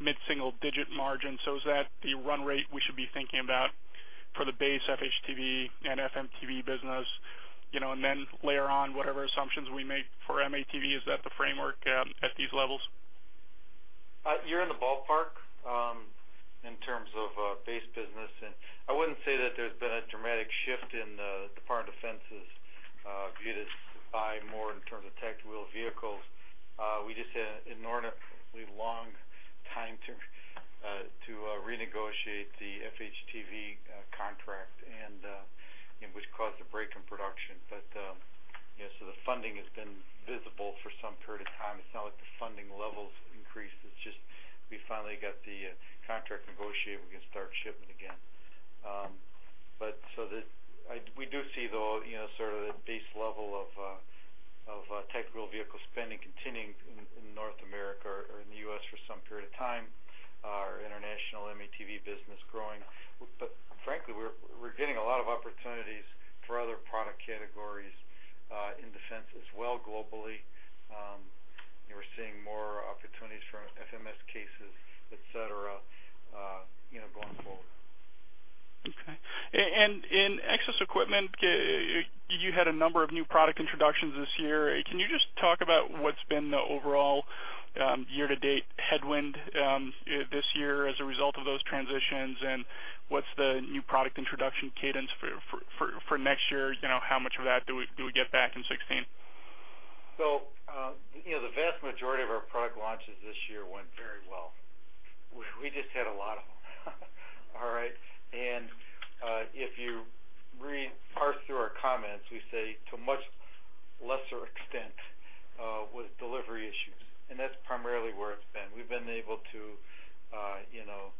mid-single-digit margin. So is that the run rate we should be thinking about for the base FHTV and FMTV business and then layer on whatever assumptions we make for M-ATV? Is that the framework at these levels? You're in the ballpark in terms of base business. I wouldn't say that there's been a dramatic shift in Department of Defense's view to buy more in terms of tactical vehicles. We just had an inordinately long time to renegotiate the FHTV contract, which caused a break in production. But so the funding has been visible for some period of time. It's not like the funding levels increased. It's just we finally got the contract negotiated, we can start shipment again. But so we do see though sort of the base level of tactical vehicle shop spending continuing in North America or in the US for some period of time, our international M-ATV business growing. But frankly we're getting a lot of opportunities for other product categories in defense as well. Globally we're seeing more opportunities for FMS cases, et cetera going forward. Okay. In Access Equipment, you had a number of new product introductions this year. Can you just talk about what's been the overall year-to-date headwind this year as a result of those transitions? And what's the new product introduction cadence for next year? How much of that do we get back in 2016. So the vast majority of our product launches this year went very well. We just had a lot of them. All right. And if you read, parse through our comments, we say to a much lesser extent was delivery issues. And that's primarily where it's been. We've been able to, you know,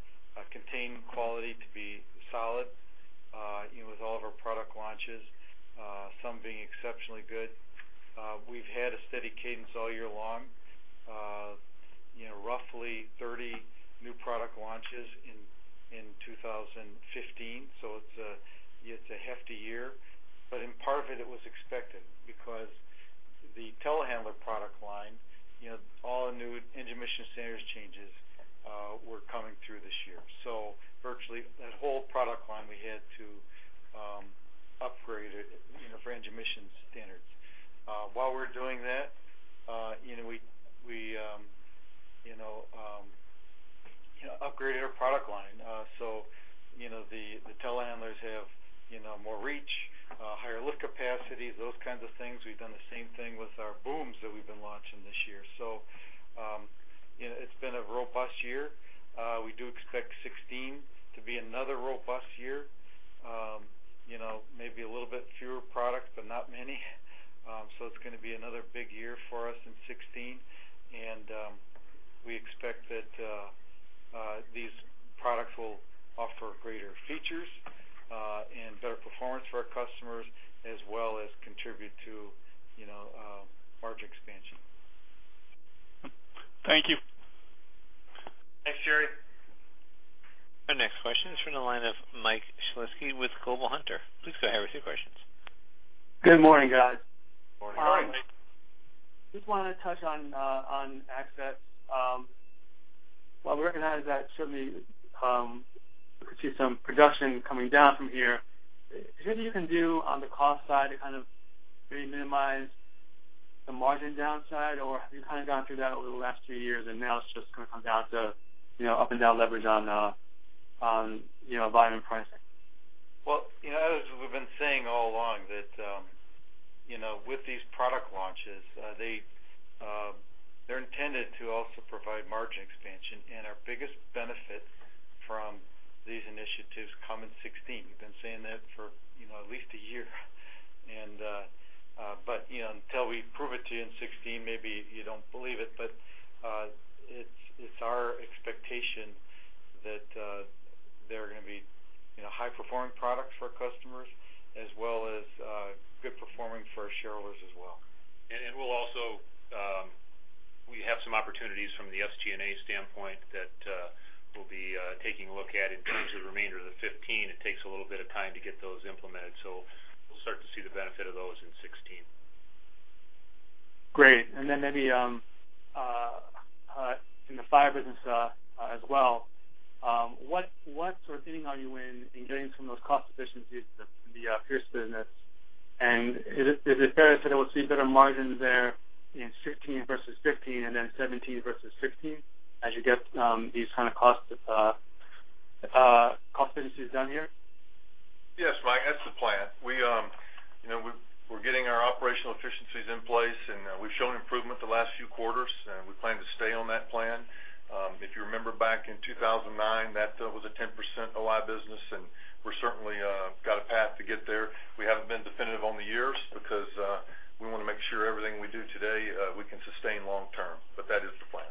contain quality to be solid with all of our product launches, some being exceptionally good; we've had a steady cadence all year long. Roughly 30, 30 new product launches in 2015. So it's a hefty year. But in part of it was expected because the telehandler product line, all new engine emission standards changes were coming through this year. So virtually that whole product line, we had to upgrade it for engine emission standards. While we're doing that, we upgraded our product line so the telehandlers have more reach, higher lift capacities, those kinds of things. We've done the same thing with our booms that we've been launching this year. So it's been a robust year. We do expect 2016 to be another robust year. Maybe a little bit fewer products, but not many. So it's going to be another big year for us in 2016 and we expect that these products will offer greater features and better performance for our customers as well as contribute to margin expansion. Thank you. Thanks, Jerry. Our next question is from the line of Mike Shlisky with Global Hunter, please. Good morning guys. Just wanted to touch on access. While we recognize that certainly we could see some production coming down from here, is there anything you can do on the cost side to kind of minimize the margin downside or have you kind of gone through that over the last two years and now it's just going to come down to up and down leverage on volume and pricing? Well, as we've been saying all along that with these product launches they're intended to also provide margin expansion. Our biggest benefit from these initiatives come in 2016. We've been saying that for at least a year, but until we prove it to you in 2016, maybe you don't believe it, but it's our expectation that they're going to be high performing products for our customers as well as good performing for our shareholders as well. We'll also, we have some opportunities from the SG&A standpoint that we'll be taking a look at in terms of the remainder of the 15. It takes a little bit of time to get those implemented. We'll start to see the benefit of those in CY. Great. And then maybe. In the fire business as well. What sort of inning are you in getting some of those cost efficiencies in the Pierce business? And is it fair to say that we'll see better margins there in 2016 versus 2015 and then 2017 versus 2016 as you get these kind of cost benefits down here? Yes, Mike, that's the plan. We're getting our operational efficiencies in place and we've shown improvement the last few quarters and we plan to stay on that plan. If you remember back in 2009, that was a 10% OI business and we've certainly got a path to get there. We haven't been definitive on the years because we want to make sure everything we do today we can sustain long term. But that is the plan.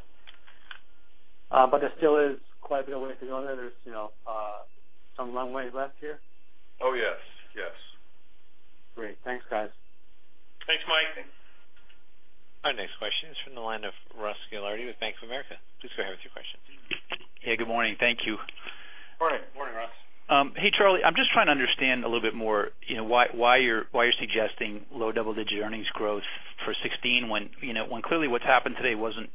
There still is quite a bit of ways to go there. There's some runway left here. Oh, yes, yes. Great. Thanks, guys. Thanks, Mike. Our next question is from the line of Ross Gilardi with Bank of America. Please go ahead with your question. Yeah, good morning. Thank you. Morning. Morning, Ross. Hey, Charlie. I'm just trying to understand a little bit more why you're suggesting low double-digit earnings growth for 2016 when clearly what's happened today wasn't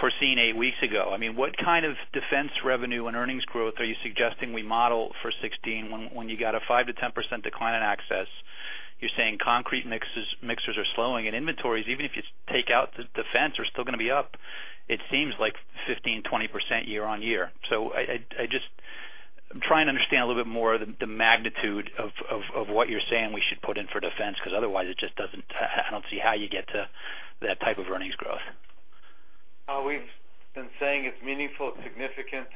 foreseen 8 weeks ago. I mean, what kind of defense revenue and earnings growth are you suggesting we model for 2016 when you got a 5%-10% decline in access. You're saying concrete mixers are slowing and inventories, even if you take out the defense, are still going to be up. It seems like 15%-20% year-on-year. So I just try and understand a little bit more the magnitude of what you're saying we should put in for defense because otherwise it just doesn't. I don't see how you get to that type of earnings growth. We've been saying it's meaningful, it's significant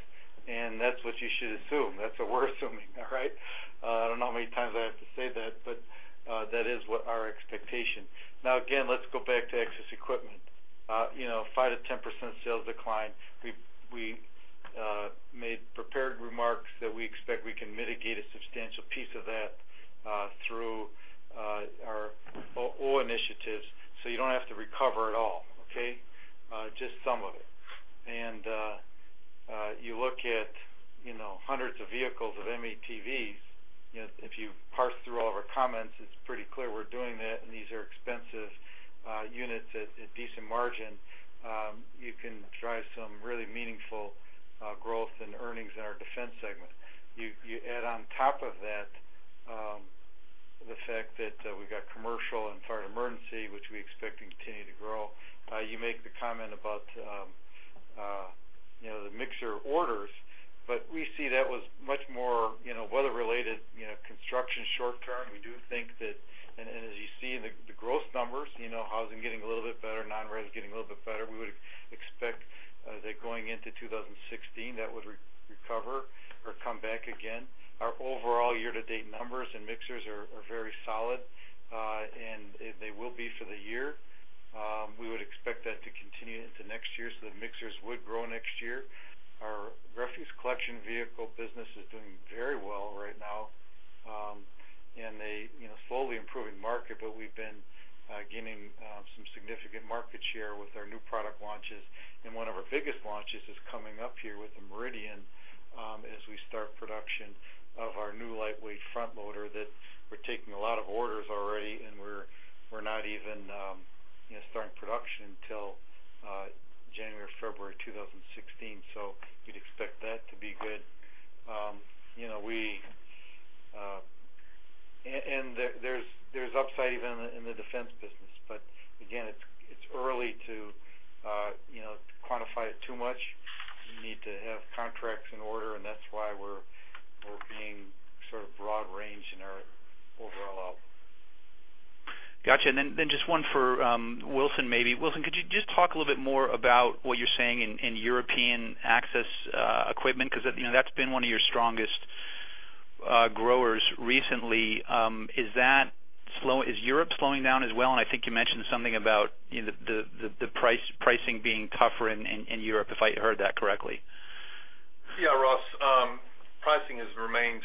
and that's what you should assume. That's what we're assuming. All right. I don't know how many times I have to say that, but that is what our expectation. Now again, let's go back to Access Equipment. You know, 5%-10% sales decline. We made prepared remarks that we expect we can mitigate a substantial piece of that through our MOVE initiatives. So you don't have to recover at all. Okay. Just some of it. And you look at, you know, hundreds of vehicles of M-ATV. If you parse through all of our comments, it's pretty clear we're doing that. And these are expensive units at decent margin. You can drive some really meaningful growth in earnings in our Defense segment. You add on top of that the fact that we've got Commercial and fire emergency which we expect to continue to grow. You make the comment about the mixer orders, but we see that was much more weather-related construction short-term. We do think that. As you see the growth numbers, housing getting a little bit better, non-res getting a little bit better. We would expect that going into 2016 that would recover or come back again. Our overall year-to-date numbers and mixers are very solid and they will be for the year. We would expect that to continue into next year. So the mixers would grow next year. Our refuse collection vehicle business is doing very well right now in a slowly improving market. But we've been gaining some significant market share with our new product launches. One of our biggest launches is coming up here with the Meridian as we start production of our new lightweight front loader that we're taking a lot of orders already and we're not even starting production until January or February 2016. So we'd expect that to be good. And there's upside even in the defense business. But again, it's early to quantify it too much. You need to have contracts in order and that's why we're being sort of broad range in our overall outlook. Got you. And then just one for Wilson, maybe. Wilson, could you just talk a little bit more about what you're saying in European Access Equipment, because that's been one of your strongest growers recently. Is that slow? Is Europe slowing down as well? And I think you mentioned something about the pricing being tougher in Europe, if I heard that correctly. Yes, Ross, pricing has remained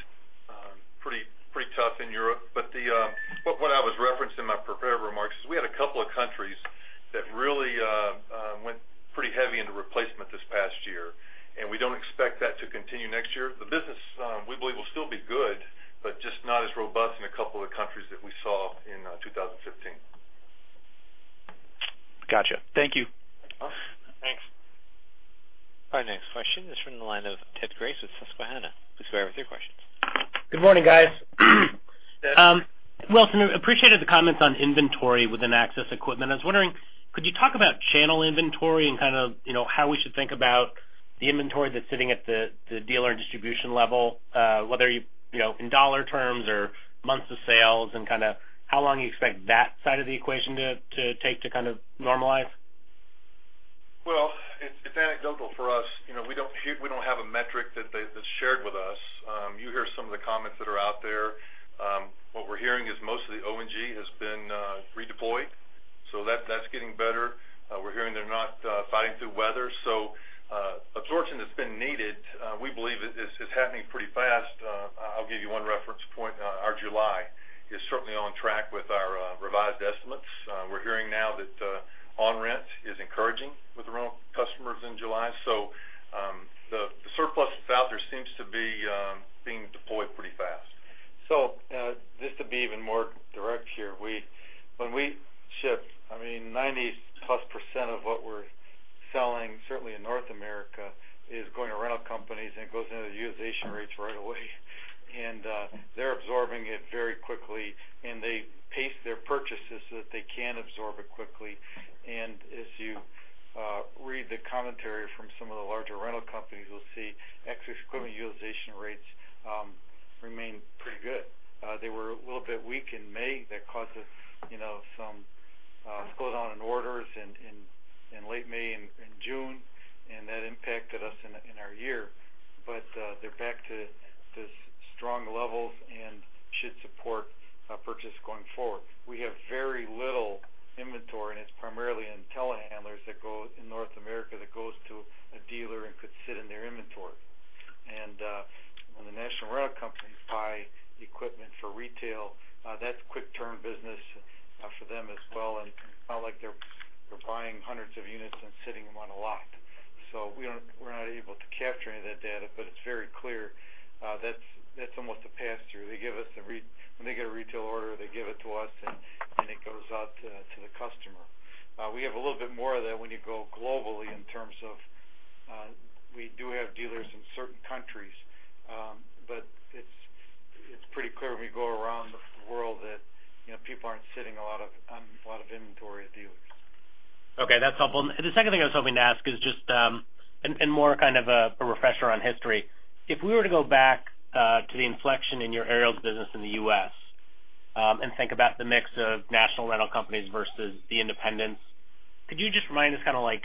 pretty tough in Europe. But what I was referencing in my prepared remarks is we had a couple of countries that really went pretty heavy into replacement this past year and we don't expect that to continue next year. The business, we believe, will still be good, but just not as robust in a couple of the countries that we saw in 2015. Gotcha. Thank you. Thanks. Our next question is from the line of Ted Grace with Susquehanna. Please go ahead with your questions. Good morning, guys. Wilson appreciated the comments on inventory within Access Equipment. I was wondering, could you talk about channel inventory and kind of how we should think about the inventory that's sitting at the dealer and distribution level, whether you in dollar terms or months of sales? And kind of how long you expect that side of the equation to take to kind of normalize? Well, it's anecdotal for us. We don't have a metric that's shared with us. You hear some of the comments that are out there. What we're hearing is most of the O and G has been redeployed, so that's getting better. We're hearing they're not fighting through weather, so absorption that's been needed. We believe it's happening pretty fast. I'll give you one reference point. Our July is certainly on track with our revised estimates. We're hearing now that on rent is encouraging with the rental customers in July. So the surplus that's out there seems to be being defined pretty fast. So just to be even more direct here, when we ship, I mean 90%+ of what we're selling certainly in North America is going to rental companies and goes into the utilization rates right away. They're absorbing it very quickly and they pace their purchases so that they can absorb it quickly. As you read the commentary from some of the larger rental companies, we'll see Access Equipment utilization rates remain pretty good. They were a little bit weak in May. That caused, you know, some slowdown in orders in late May and June and that impacted us in our year. But they're back to strong levels and should support purchase going forward. We have very little inventory and it's primarily in telehandlers that go in North America that goes to a dealer and could sit in their inventory. When the national rental companies buy equipment for retail, that's quick turn business for them as well. It's not like they're buying hundreds of units and sitting them on a lot. We're not able to capture any of that data. It's very clear that's almost a pass through they give us. When they get a retail order, they give it to us and it goes out to the customer. We have a little bit more of that. When you go globally in terms of. We do have dealers in certain countries but it's pretty clear when we go around the world that people aren't sitting on a lot of inventory at dealers. Okay, that's helpful. The second thing I was hoping to ask is just and more kind of a refresher on history. If we were to go back to the inflection in your aerials business in the U.S. and think about the mix of national rental companies versus the independents, could you just remind us kind of like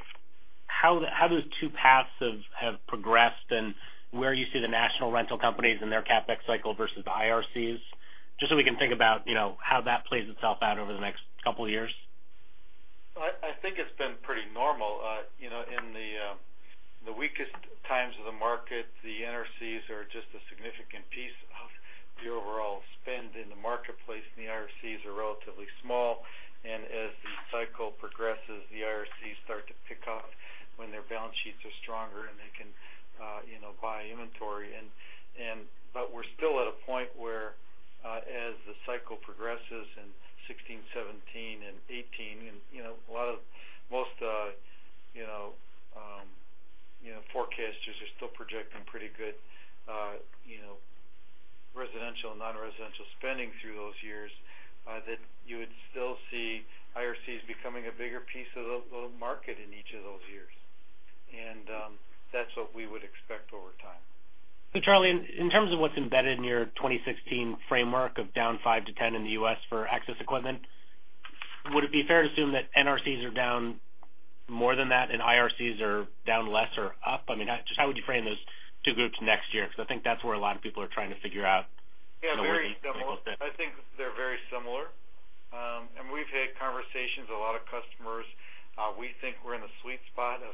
how those two paths have progressed and where you see the national rental companies and their CapEx cycle versus the IRCs just so we can think about how that plays itself out over the next couple of years. I think it's been pretty normal. In the weakest times of the market the NRCs are just as significant piece of the overall spend in the marketplace and the IRCs are relatively small. As the cycle progresses the IRCs start to pick up when their balance sheets are stronger and they can, you know, buy inventory. We're still at a point where as the cycle progresses in 2016, 2017 and 2018, you know, a lot of most, you know, forecasters are still projecting pretty good residential and non-residential spending through those years that you would still see IRCs becoming a bigger piece of the market in each of those years. That's what we would expect over time. So, Charlie, in terms of what's embedded in your 2016 framework of down 5-10 in the U.S. for access equipment, would it be fair to assume that NRCs are down more than that and IRCs are down less or up? I mean, just how would you frame those two groups next year? Because I think that's where a lot of people are trying to figure out. I think they're very similar, and we've had conversations a lot of customers. We think we're in the sweet spot of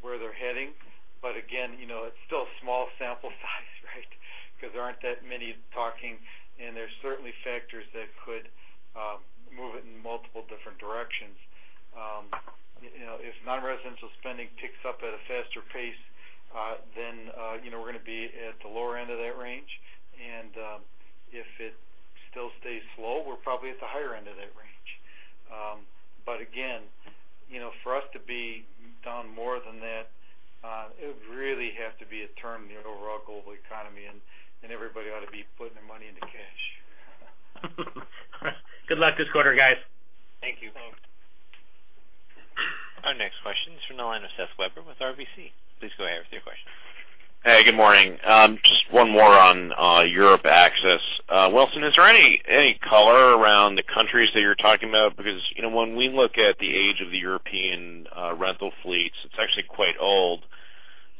where they're heading. But again, it's still a small sample size because there aren't that many talking. And there's certainly factors that could move it in multiple different directions. If non-residential spending picks up at a faster pace, then we're going to be at the lower end of that range. And if it still stays slow, we're probably at the higher end of that range. But again, for us to be down more than that, it would really have to be a turn in the overall global economy, and everybody ought to be putting their money into cash. Good luck this quarter, guys. Thank you. Our next question is from the line of Seth Weber with RBC. Please go ahead with your question. Hey, good morning. Just one more on Europe Access. Wilson, is there any color around the countries that you're talking about? Because when we look at the age of the European rental fleets, it's actually quite old.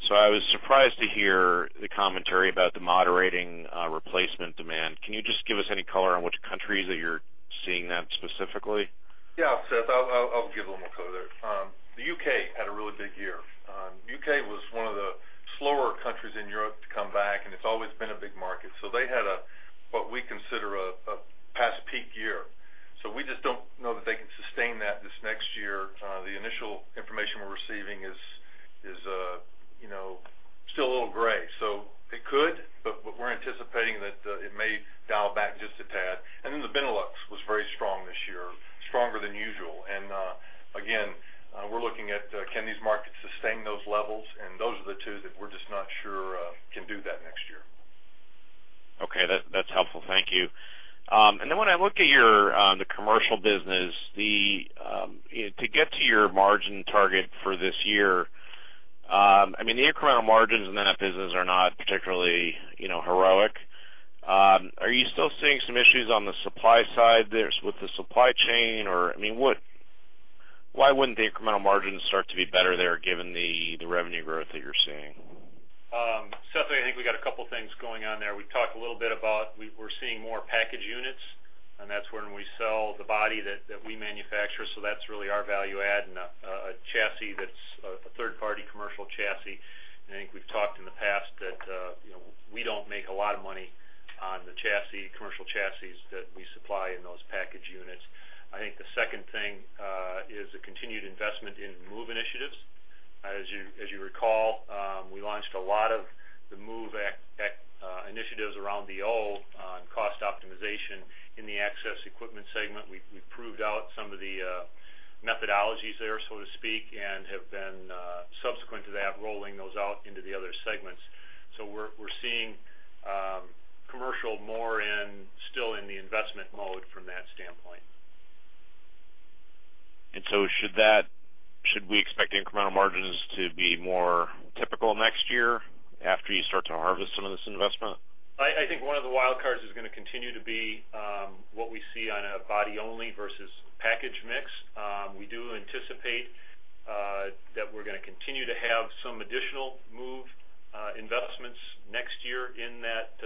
So I was surprised to hear the commentary about the moderating replacement demand. Can you just give us any color on which countries that you're seeing that specifically? Yeah, Seth, I'll give a little more color there. The UK had a really big year. UK was one of the slower countries in Europe to come back, and it's always been a big market. So they had what we consider past peak year. So we just don't know that they can sustain that this next year. The initial information we're receiving is still a little gray, so it could, but we're anticipating that it may dial back just a tad. And then the Benelux was very strong this year, stronger than usual. And again, we're looking at can these markets sustain those levels? And those are the two that we're just not sure can do that next year. Yeah. Okay, that's helpful. Thank you. And then when I look at your Commercial business to get to your margin target for this year. I mean the incremental margins in that business are not particularly heroic. Are you still seeing some issues on the supply side with the supply chain or I mean why wouldn't the incremental margins start to be better there given the revenue growth that you're seeing? Seth, I think we've got a couple things going on there. We talked a little bit about. We're seeing more package units and that's when we sell the body that we manufacture. So that's really our value add and a chassis that's a third party Commercial chassis. I think we've talked in the past that we don't make a lot of money on the chassis Commercial chassis that we supply in those package units. I think the second thing is the construction continued investment in MOVE initiatives. As you recall, we launched a lot of the MOVE initiatives around the O on cost optimization in the Access Equipment segment. We proved out some of the methodologies there, so to speak, and have been subsequent to that rolling those out into the other segments. So we're seeing Commercial more still in the investment mode for from that standpoint. And so should that. Should we expect incremental margins to be more typical next year after you start to harvest some of this investment? I think one of the wild cards. Is going to continue to be what we see on a body only versus package mix. We do anticipate that we're going to continue to have some additional MOVE investments next year in that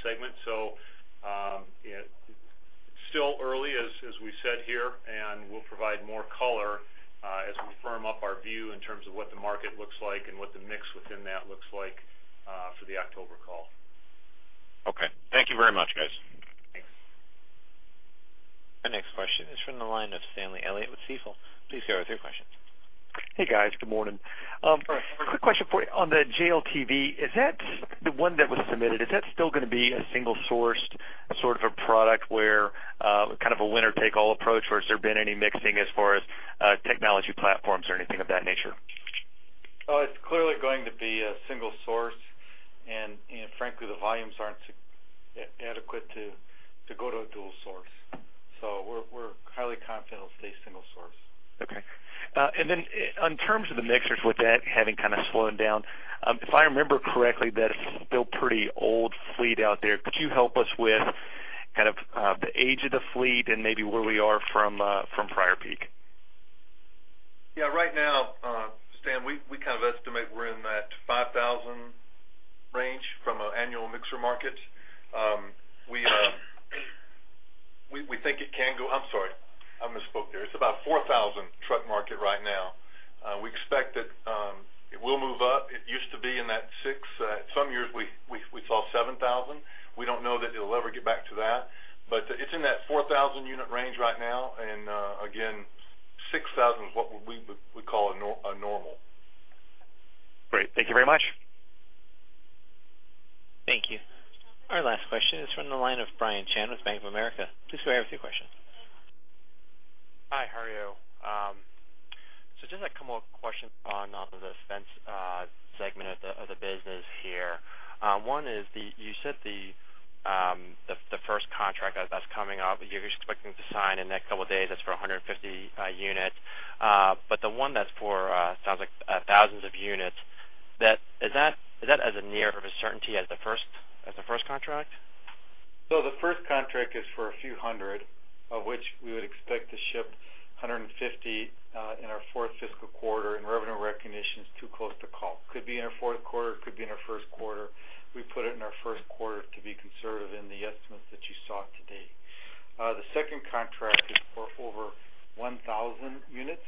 segment. So. So. It's still early as we said here and we'll provide more color as we firm up our view in terms of what the market looks like and what the mix within that looks like for the October call. Okay, thank you very much guys. Our next question is from the line of Stanley Elliott with Stifel. Please go with your questions. Hey guys, good morning. Quick question for you on the JLTV. Is that the one that was submitted, is that still going to be a single source sort of a product where kind of a winner take all approach or has there been any mixing as far as technology platforms or anything of that nature? It's clearly going to be a single source and frankly the volumes aren't adequate to go to a dual source. We're highly confident it'll stay single source. Okay. And then in terms of the mixers with that having kind of slowed down, if I remember correctly, that still pretty old fleet out there. Could you help us with kind of the age of the fleet and maybe where we are from prior peak? Yeah. Right now, Stan, we kind of estimate we're in that 5,000 range from an annual mixer market. We think it can go. I'm sorry, I misspoke there. It's about 4,000 truck market right now. We expect that it will move up. It used to be in that six some years we saw 7,000. We don't know that it will ever get back to that. It's in that 4,000 unit range right now. Again, 6,000 is what we would call a normal. Great. Thank you very much. Thank you. Our last question is from the line of Brian Chin with Bank of America. Please go ahead with your question. Hi, how are you? So just a couple of questions on the Defense segment of the business here. One is you said the first contract that's coming up you're expecting to sign in the next couple of days, that's for 150 units. But the one that's for sounds like thousands of units. Is that as near of a certainty as the first contract? So the first contract is for a few hundred of which we would expect to ship 150 in our fourth fiscal quarter. And revenue recognition is too close to call. Could be in our fourth quarter. Could be in our first quarter. We put it in our first quarter. To be conservative in the estimates that you saw today. The second contract is for over 1,000 units.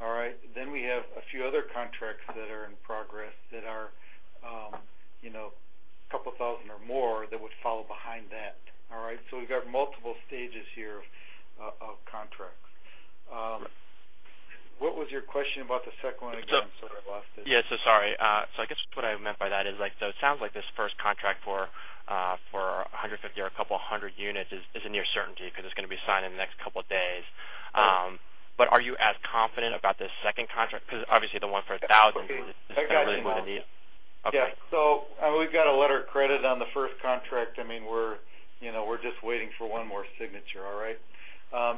All right. Then we have a few other contracts that are in progress that are a couple thousand or more that would follow behind that. All right. So we've got multiple stages here of contracts. What was your question about the second one again? Sorry, I lost it. Yes, sorry. So I guess what I meant by that is it sounds like this first contract for 150 or 200 units is a near certainty because it's going to be signed in the next couple of days. But are you as confident about the second contract? Because obviously the one for 1,000. So we've got a letter of credit on the first contract. I mean we're, you know, we're just waiting for one more signature. All right.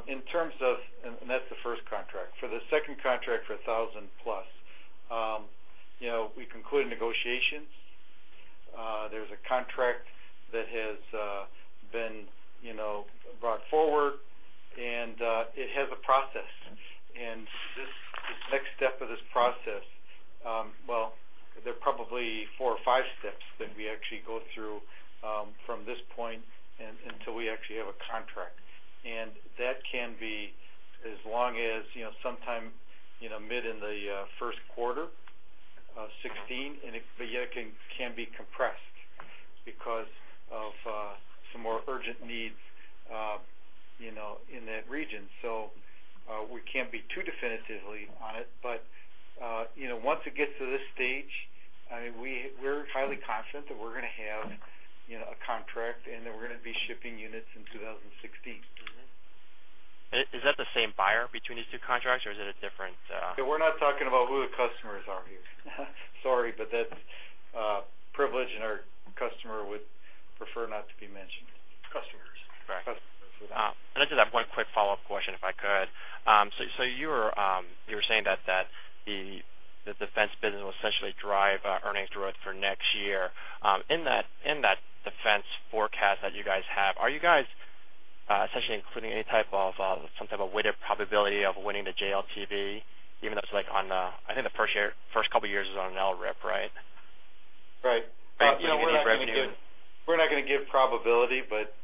In terms of. And that's the first contract for the second contract for 1,000 plus, you know, we conclude negotiations. There's a contract that has been, you know, brought forward and it has a process. And this next step of this process. Well, there are probably four or five steps that we actually go through from this point until we actually have a contract. And that can be as long as, you know, sometime in mid-1Q2016. But yet it can be completed, perhaps because of some more urgent needs in that region. We can't be too definite on it, but once it gets to this stage, we're highly confident that we're going to have a contract and that we're going to be shipping units in 2016. Is that the same buyer between these two contracts or is it a different? We're not talking about who the customers are here. Sorry, but that's privileged. Our customer would prefer not to be mentioned. I just have one quick follow up question if I could. So you were saying that the defense business will essentially drive earnings growth for next year. In that defense forecast that you guys have, are you guys essentially including any type of some type of weighted probability of winning the JLTV, even though it's like on. I think the first couple of years is on an LRIP. Right, right. We're not going to give probability, but,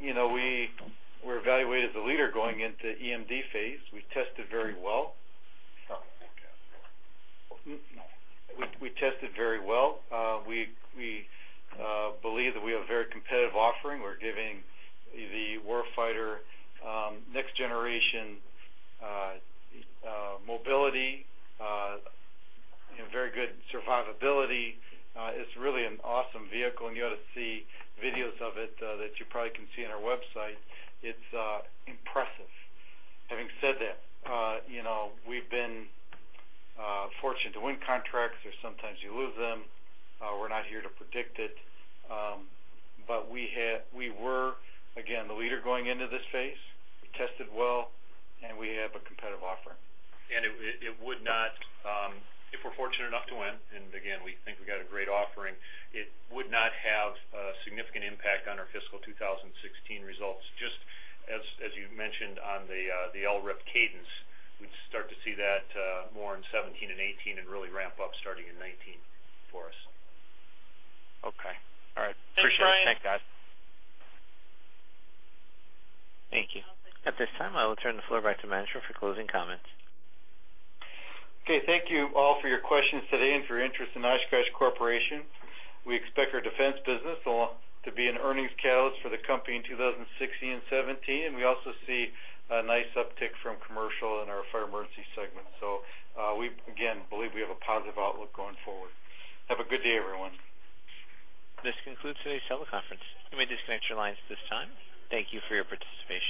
you know, we're evaluated as a leader going into EMD phase. We tested very well. We tested very well. We believe that we have a very competitive offering. We're giving the warfighter next generation mobility very good survivability. It's really an awesome vehicle and you ought to see videos of it that you probably can see on our website. It's impressive. Having said that, we've been fortunate to win contracts or sometimes you lose them. We're not here to predict it, but we were again the leader going into this phase. We tested well and we have a. Competitive offering, and it would not, if we're fortunate enough to win. And again, we think we got a great offering. It would not have a significant impact on our fiscal 2016 results. Just as you mentioned on the LRIP cadence, we start to see that more in 2017 and 2018 and really ramp up starting in 2019 for us. Okay. All right. Appreciate it. Thanks, guys. Thank you. At this time, I will turn the floor back to management for closing comments. Okay. Thank you all for your questions today and for your interest in Oshkosh Corporation. We expect our defense business to be an earnings catalyst for the company in 2016 and 2017. We also see a nice uptick from Commercial. Commercial and our fire emergency segment. So we again believe we have a positive outlook going forward. Have a good day, everyone. This concludes today's teleconference. You may disconnect your lines at this time. Thank you for your participation.